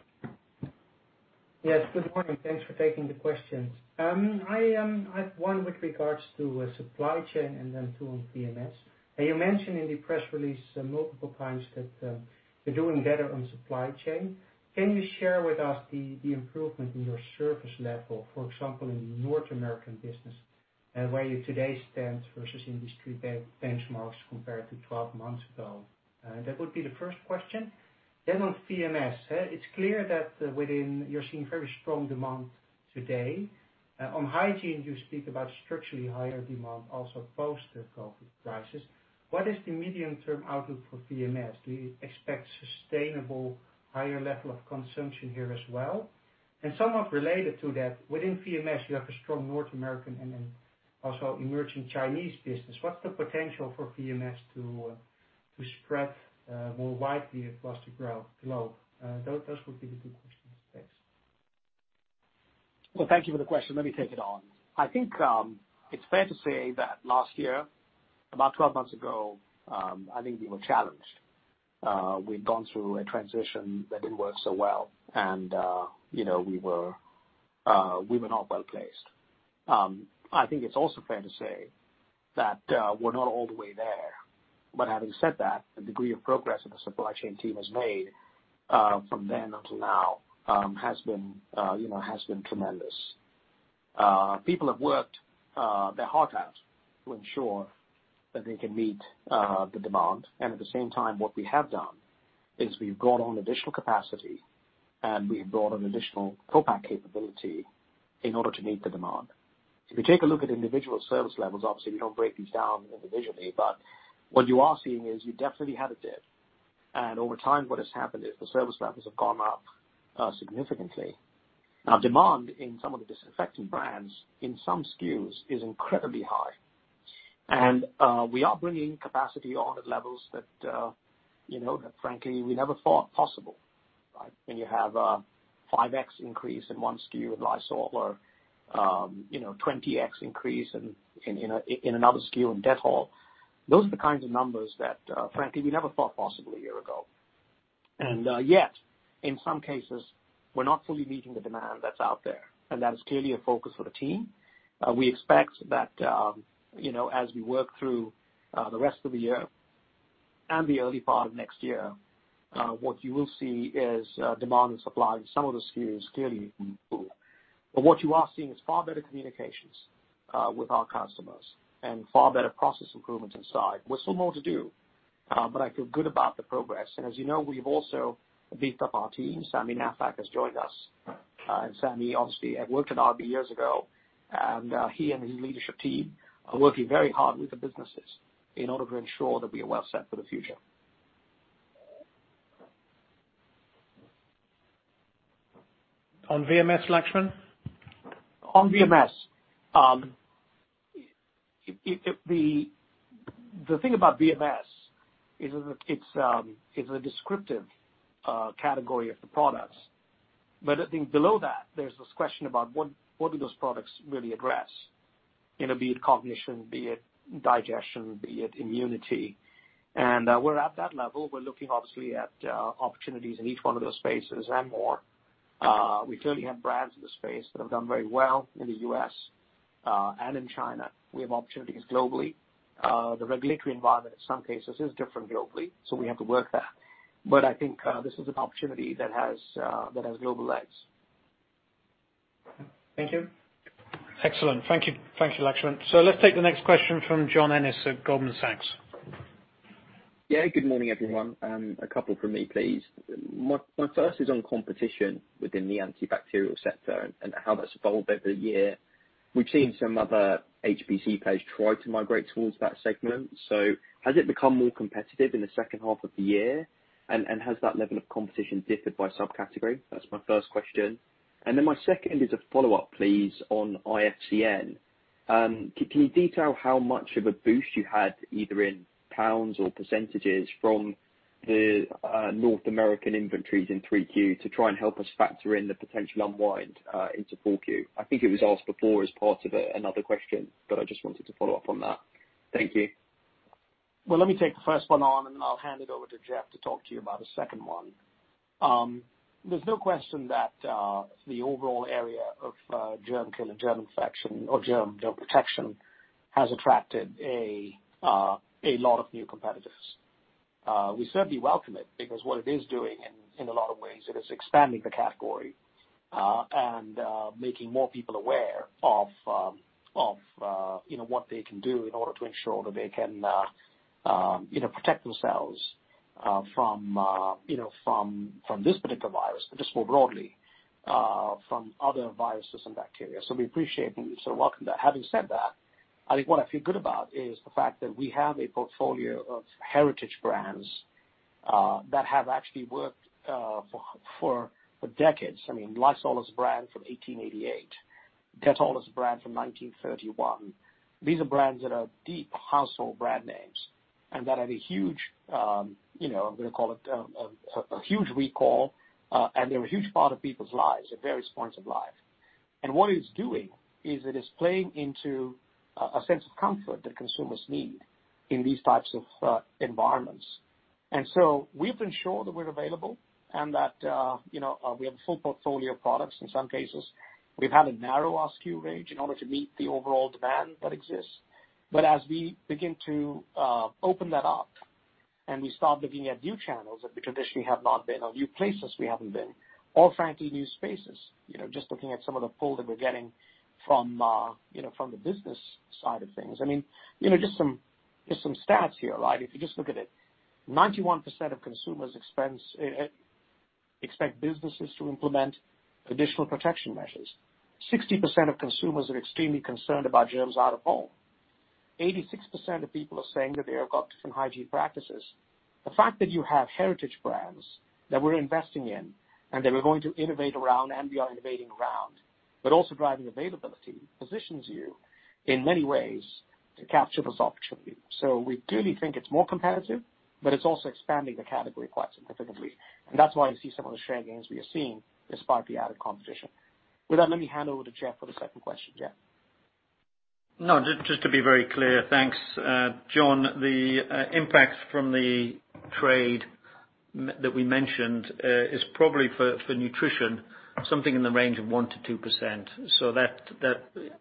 Yes. Good morning. Thanks for taking the questions. I have one with regards to supply chain and then two on VMS. You mentioned in the press release multiple times that you're doing better on supply chain. Can you share with us the improvement in your service level, for example, in the North American business, where you today stand versus industry benchmarks compared to 12 months ago? That would be the first question. On VMS. It's clear that within you're seeing very strong demand today. On hygiene, you speak about structurally higher demand also post the COVID-19 crisis. What is the medium-term outlook for VMS? Do you expect sustainable higher level of consumption here as well? Somewhat related to that, within VMS, you have a strong North American and then also emerging Chinese business. What's the potential for VMS to spread more widely across the globe? Those would be the two questions. Thanks. Well, thank you for the question. Let me take it on. I think it's fair to say that last year, about 12 months ago, I think we were challenged. We'd gone through a transition that didn't work so well and we were not well-placed. I think it's also fair to say that we're not all the way there, but having said that, the degree of progress that the supply chain team has made, from then until now, has been tremendous. People have worked their heart out to ensure that they can meet the demand, and at the same time, what we have done is we've brought on additional capacity, and we've brought on additional co-pack capability in order to meet the demand. If you take a look at individual service levels, obviously, we don't break these down individually, but what you are seeing is you definitely had a dip. Over time what has happened is the service levels have gone up significantly. Now, demand in some of the disinfecting brands, in some SKUs is incredibly high. We are bringing capacity on at levels that frankly, we never thought possible, right? When you have a 5x increase in one SKU in Lysol or 20x increase in another SKU in Dettol. Those are the kinds of numbers that, frankly, we never thought possible a year ago. Yet, in some cases, we're not fully meeting the demand that's out there, and that is clearly a focus for the team. We expect that as we work through the rest of the year and the early part of next year, what you will see is demand and supply in some of the SKUs clearly improve. What you are seeing is far better communications with our customers and far better process improvements inside. We've still more to do, but I feel good about the progress. As you know, we've also beefed up our team. Sami Naffakh has joined us. Sami, obviously, had worked at RB years ago, and he and his leadership team are working very hard with the businesses in order to ensure that we are well set for the future. On VMS, Laxman? VMS. The thing about VMS is it's a descriptive category of the products. I think below that, there's this question about what do those products really address? Be it cognition, be it digestion, be it immunity. We're at that level. We're looking obviously at opportunities in each one of those spaces and more. We clearly have brands in the space that have done very well in the U.S., and in China. We have opportunities globally. The regulatory environment in some cases is different globally, we have to work that. I think this is an opportunity that has global legs. Thank you. Excellent. Thank you, Laxman. Let's take the next question from John Ennis at Goldman Sachs. Yeah, good morning, everyone. A couple from me, please. My first is on competition within the antibacterial sector and how that's evolved over the year. We've seen some other HPC players try to migrate towards that segment. Has it become more competitive in the second half of the year? Has that level of competition differed by subcategory? That's my first question. My second is a follow-up, please, on IFCN. Can you detail how much of a boost you had either in GBP or percentages from the North American inventories in 3Q to try and help us factor in the potential unwind into 4Q? I think it was asked before as part of another question, I just wanted to follow up on that. Thank you. Let me take the first one on and then I'll hand it over to Jeff to talk to you about the second one. There's no question that the overall area of germ kill and germ infection or germ protection has attracted a lot of new competitors. We certainly welcome it because what it is doing in a lot of ways, it is expanding the category, and making more people aware of what they can do in order to ensure that they can protect themselves from this particular virus, but just more broadly, from other viruses and bacteria. We appreciate and we certainly welcome that. Having said that, I think what I feel good about is the fact that we have a portfolio of heritage brands that have actually worked for decades. Lysol is a brand from 1888. Dettol is a brand from 1931. These are brands that are deep household brand names and that have a huge recall, and they're a huge part of people's lives at various points of life. What it's doing is it is playing into a sense of comfort that consumers need in these types of environments. We've ensured that we're available and that we have a full portfolio of products. In some cases, we've had a narrow SKU range in order to meet the overall demand that exists. As we begin to open that up and we start looking at new channels that we traditionally have not been, or new places we haven't been or frankly, new spaces, just looking at some of the pull that we're getting from the business side of things. Just some stats here. If you just look at it, 91% of consumers expect businesses to implement additional protection measures. 60% of consumers are extremely concerned about germs out of home. 86% of people are saying that they have got different hygiene practices. The fact that you have heritage brands that we're investing in and that we're going to innovate around and we are innovating around, but also driving availability, positions you in many ways to capture this opportunity. We clearly think it's more competitive, but it's also expanding the category quite significantly. That's why you see some of the share gains we are seeing despite the added competition. With that, let me hand over to Jeff for the second question. Jeff? No, just to be very clear. Thanks, John. The impact from the trade that we mentioned is probably for nutrition, something in the range of 1%-2%.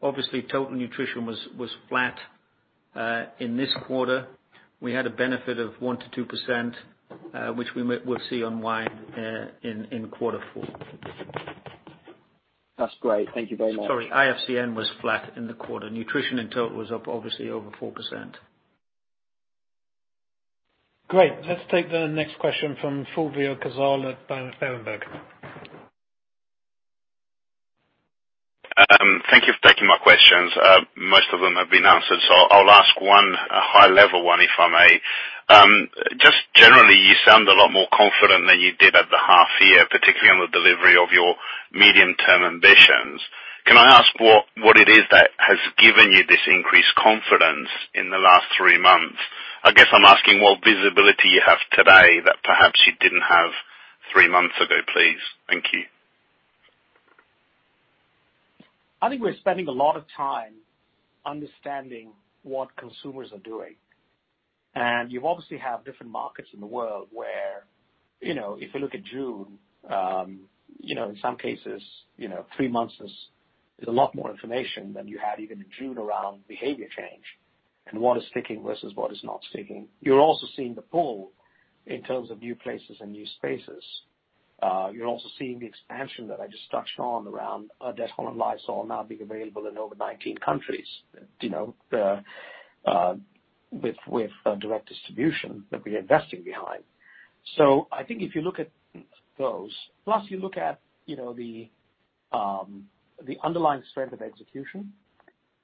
Obviously, total nutrition was flat in this quarter. We had a benefit of 1%-2%, which we'll see unwind in quarter four. That's great. Thank you very much. Sorry, IFCN was flat in the quarter. Nutrition in total was up obviously over 4%. Great. Let's take the next question from Fulvio Cazzol at Berenberg. Thank you for taking my questions. Most of them have been answered. I'll ask one high level one, if I may. Just generally, you sound a lot more confident than you did at the half year, particularly on the delivery of your medium-term ambitions. Can I ask what it is that has given you this increased confidence in the last three months? I guess I'm asking what visibility you have today that perhaps you didn't have three months ago, please. Thank you. I think we're spending a lot of time understanding what consumers are doing, and you obviously have different markets in the world where, if you look at June, in some cases, three months is a lot more information than you had even in June around behaviour change and what is sticking versus what is not sticking. You're also seeing the pull in terms of new places and new spaces. You're also seeing the expansion that I just touched on around Dettol and Lysol now being available in over 19 countries with direct distribution that we are investing behind. I think if you look at those, plus you look at the underlying strength of execution,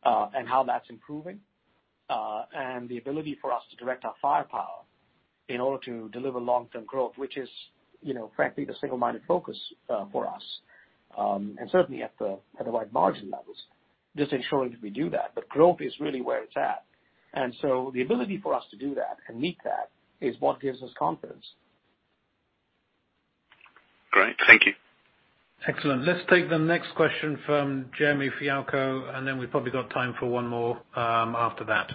and how that's improving, and the ability for us to direct our firepower in order to deliver long-term growth, which is frankly, the single-minded focus for us, and certainly at the right margin levels, just ensuring that we do that. Growth is really where it's at. The ability for us to do that and meet that is what gives us confidence. Great. Thank you. Excellent. Let's take the next question from Jeremy Fialko, and then we've probably got time for one more after that.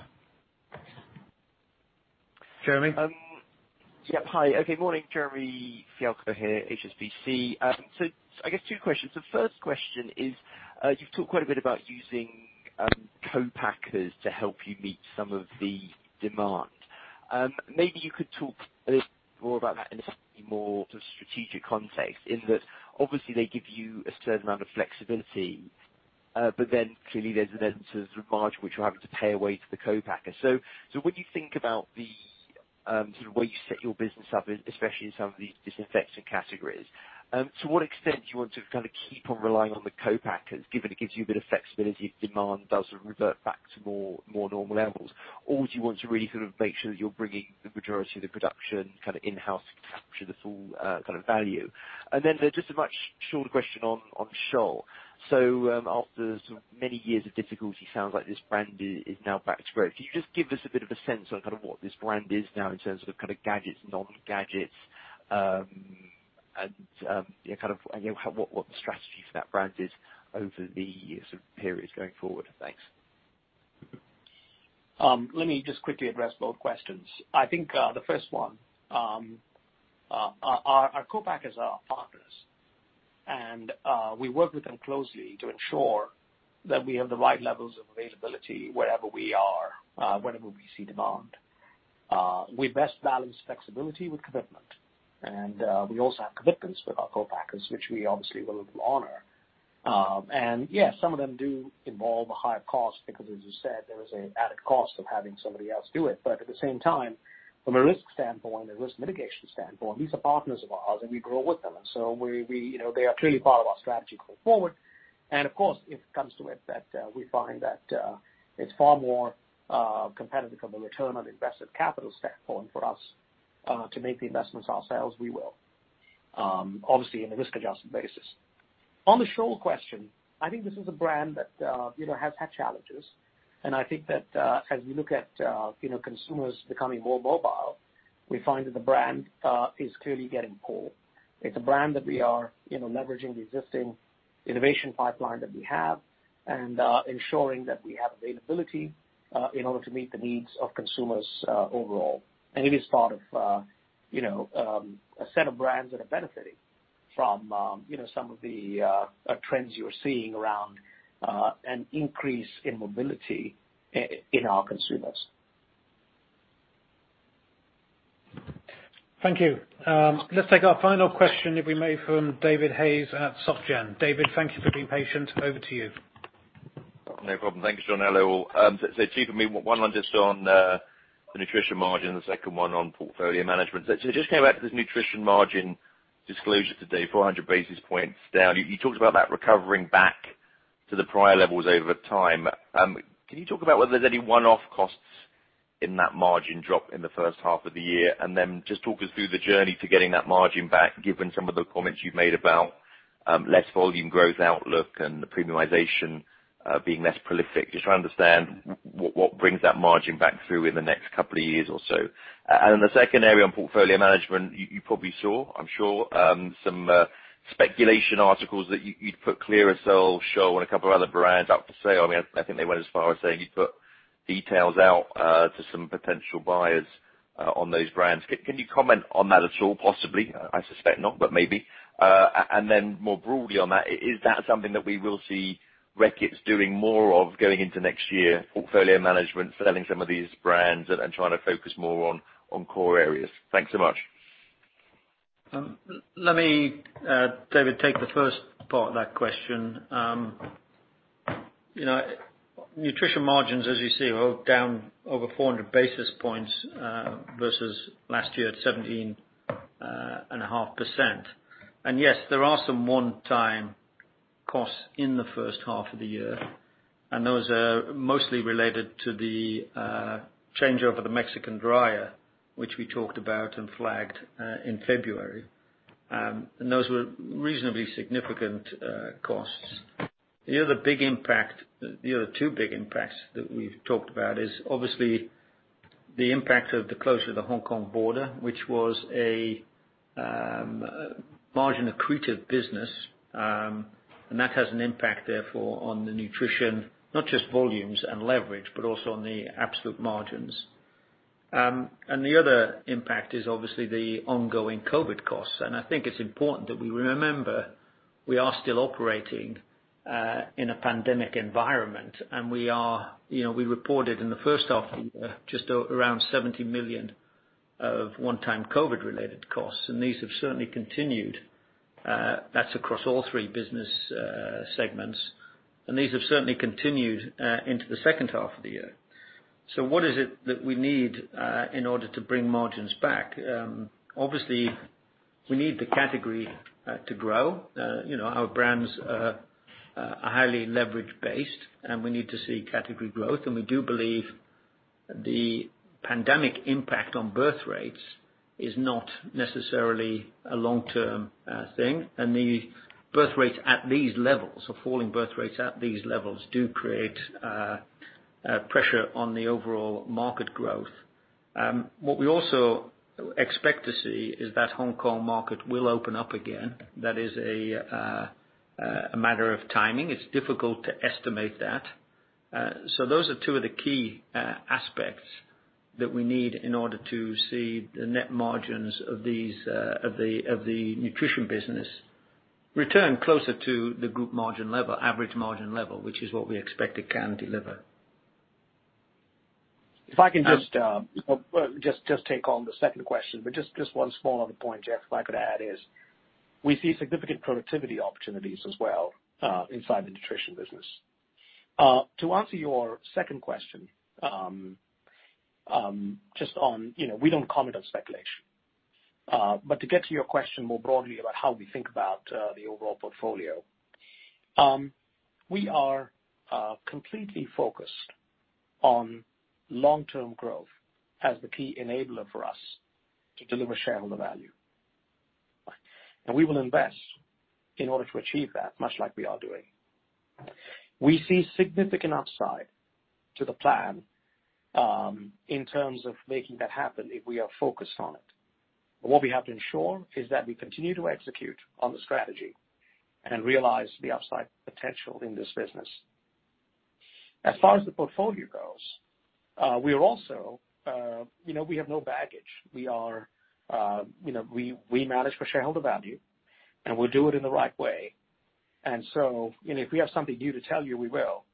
Jeremy? Yep. Hi. Okay. Morning. Jeremy Fialko here, HSBC. I guess two questions. The first question is, you've talked quite a bit about using co-packers to help you meet some of the demand. Maybe you could talk a little bit more about that in a slightly more strategic context in that obviously they give you a certain amount of flexibility, but then clearly there's an element of margin which you're having to pay away to the co-packer. When you think about the way you set your business up, especially in some of these disinfectant categories, to what extent do you want to keep on relying on the co-packers, given it gives you a bit of flexibility if demand does revert back to more normal levels? Do you want to really make sure that you're bringing the majority of the production in-house to capture the full value? Then just a much shorter question on Scholl. After many years of difficulty, sounds like this brand is now back to growth. Can you just give us a bit of a sense on what this brand is now in terms of gadgets, non-gadgets, and what the strategy for that brand is over the periods going forward? Thanks. Let me just quickly address both questions. I think the first one, our co-packers are our partners. We work with them closely to ensure that we have the right levels of availability wherever we are, wherever we see demand. We best balance flexibility with commitment. We also have commitments with our co-packers, which we obviously will honour. Yeah, some of them do involve a higher cost because as you said, there is an added cost of having somebody else do it. At the same time, from a risk standpoint and a risk mitigation standpoint, these are partners of ours and we grow with them. They are clearly part of our strategy going forward. Of course, if it comes to it that we find that it's far more competitive from a return on invested capital standpoint for us to make the investments ourselves, we will. Obviously, in a risk adjustment basis. On the Scholl question, I think this is a brand that has had challenges. I think that as we look at consumers becoming more mobile, we find that the brand is clearly getting pulled. It's a brand that we are leveraging the existing innovation pipeline that we have, and ensuring that we have availability in order to meet the needs of consumers overall. It is part of a set of brands that are benefiting from some of the trends you're seeing around an increase in mobility in our consumers. Thank you. Let's take our final question, if we may, from David Hayes at SoftJam. David, thank you for being patient. Over to you. No problem. Thank you, John. Hello, all. Two from me, one on just on the nutrition margin and the second one on portfolio management. Just going back to this nutrition margin disclosure today, 400 basis points down. You talked about that recovering back to the prior levels over time. Can you talk about whether there's any one-off costs in that margin drop in the first half of the year? Just talk us through the journey to getting that margin back, given some of the comments you've made about less volume growth outlook and the premiumization being less prolific. Just trying to understand what brings that margin back through in the next couple of years or so. The second area on portfolio management, you probably saw, I'm sure, some speculation articles that you'd put Clearasil, Scholl, and a couple of other brands up for sale. I think they went as far as saying you'd put details out to some potential buyers on those brands. Can you comment on that at all, possibly? I suspect not, but maybe. More broadly on that, is that something that we will see Reckitt doing more of going into next year? Portfolio management, selling some of these brands and trying to focus more on core areas. Thanks so much. Let me, David, take the first part of that question. Nutrition margins, as you see, are down over 400 basis points versus last year at 17.5%. Yes, there are some one-time costs in the first half of the year. Those are mostly related to the changeover to Mexico dryer, which we talked about and flagged in February. Those were reasonably significant costs. The other two big impacts that we've talked about is obviously the impact of the closure of the Hong Kong border, which was a margin-accretive business. That has an impact therefore on the nutrition, not just volumes and leverage, but also on the absolute margins. The other impact is obviously the ongoing COVID costs. I think it's important that we remember we are still operating in a pandemic environment. We reported in the first half of the year just around 70 million of one-time COVID-related costs. These have certainly continued. That's across all three business segments. These have certainly continued into the second half of the year. What is it that we need in order to bring margins back? Obviously, we need the category to grow. Our brands are highly leverage based, and we need to see category growth. We do believe the pandemic impact on birth rates is not necessarily a long-term thing. The birth rates at these levels, or falling birth rates at these levels, do create pressure on the overall market growth. What we also expect to see is that Hong Kong market will open up again. That is a matter of timing. It's difficult to estimate that. Those are two of the key aspects that we need in order to see the net margins of the nutrition business return closer to the group margin level, average margin level, which is what we expect it can deliver. If I can just take on the second question, but just one small other point, Jeff, if I could add, is we see significant productivity opportunities as well inside the nutrition business. To answer your second question, we don't comment on speculation. To get to your question more broadly about how we think about the overall portfolio, we are completely focused on long-term growth as the key enabler for us to deliver shareholder value. We will invest in order to achieve that, much like we are doing. We see significant upside to the plan in terms of making that happen if we are focused on it. What we have to ensure is that we continue to execute on the strategy and realize the upside potential in this business. As far as the portfolio goes, we have no baggage. We manage for shareholder value, and we'll do it in the right way. If we have something new to tell you, we will.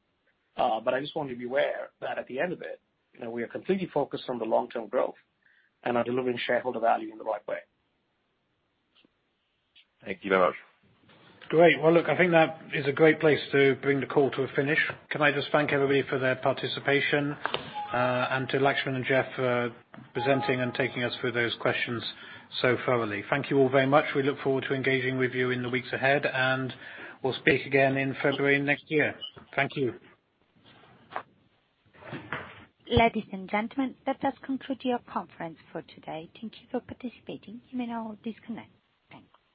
I just want to be aware that at the end of it, we are completely focused on the long-term growth and are delivering shareholder value in the right way. Thank you very much. Great. Well, look, I think that is a great place to bring the call to a finish. Can I just thank everybody for their participation and to Laxman and Jeff for presenting and taking us through those questions so thoroughly. Thank you all very much. We look forward to engaging with you in the weeks ahead, and we'll speak again in February next year. Thank you. Ladies and gentlemen, that does conclude your conference for today. Thank you for participating. You may now disconnect. Thanks.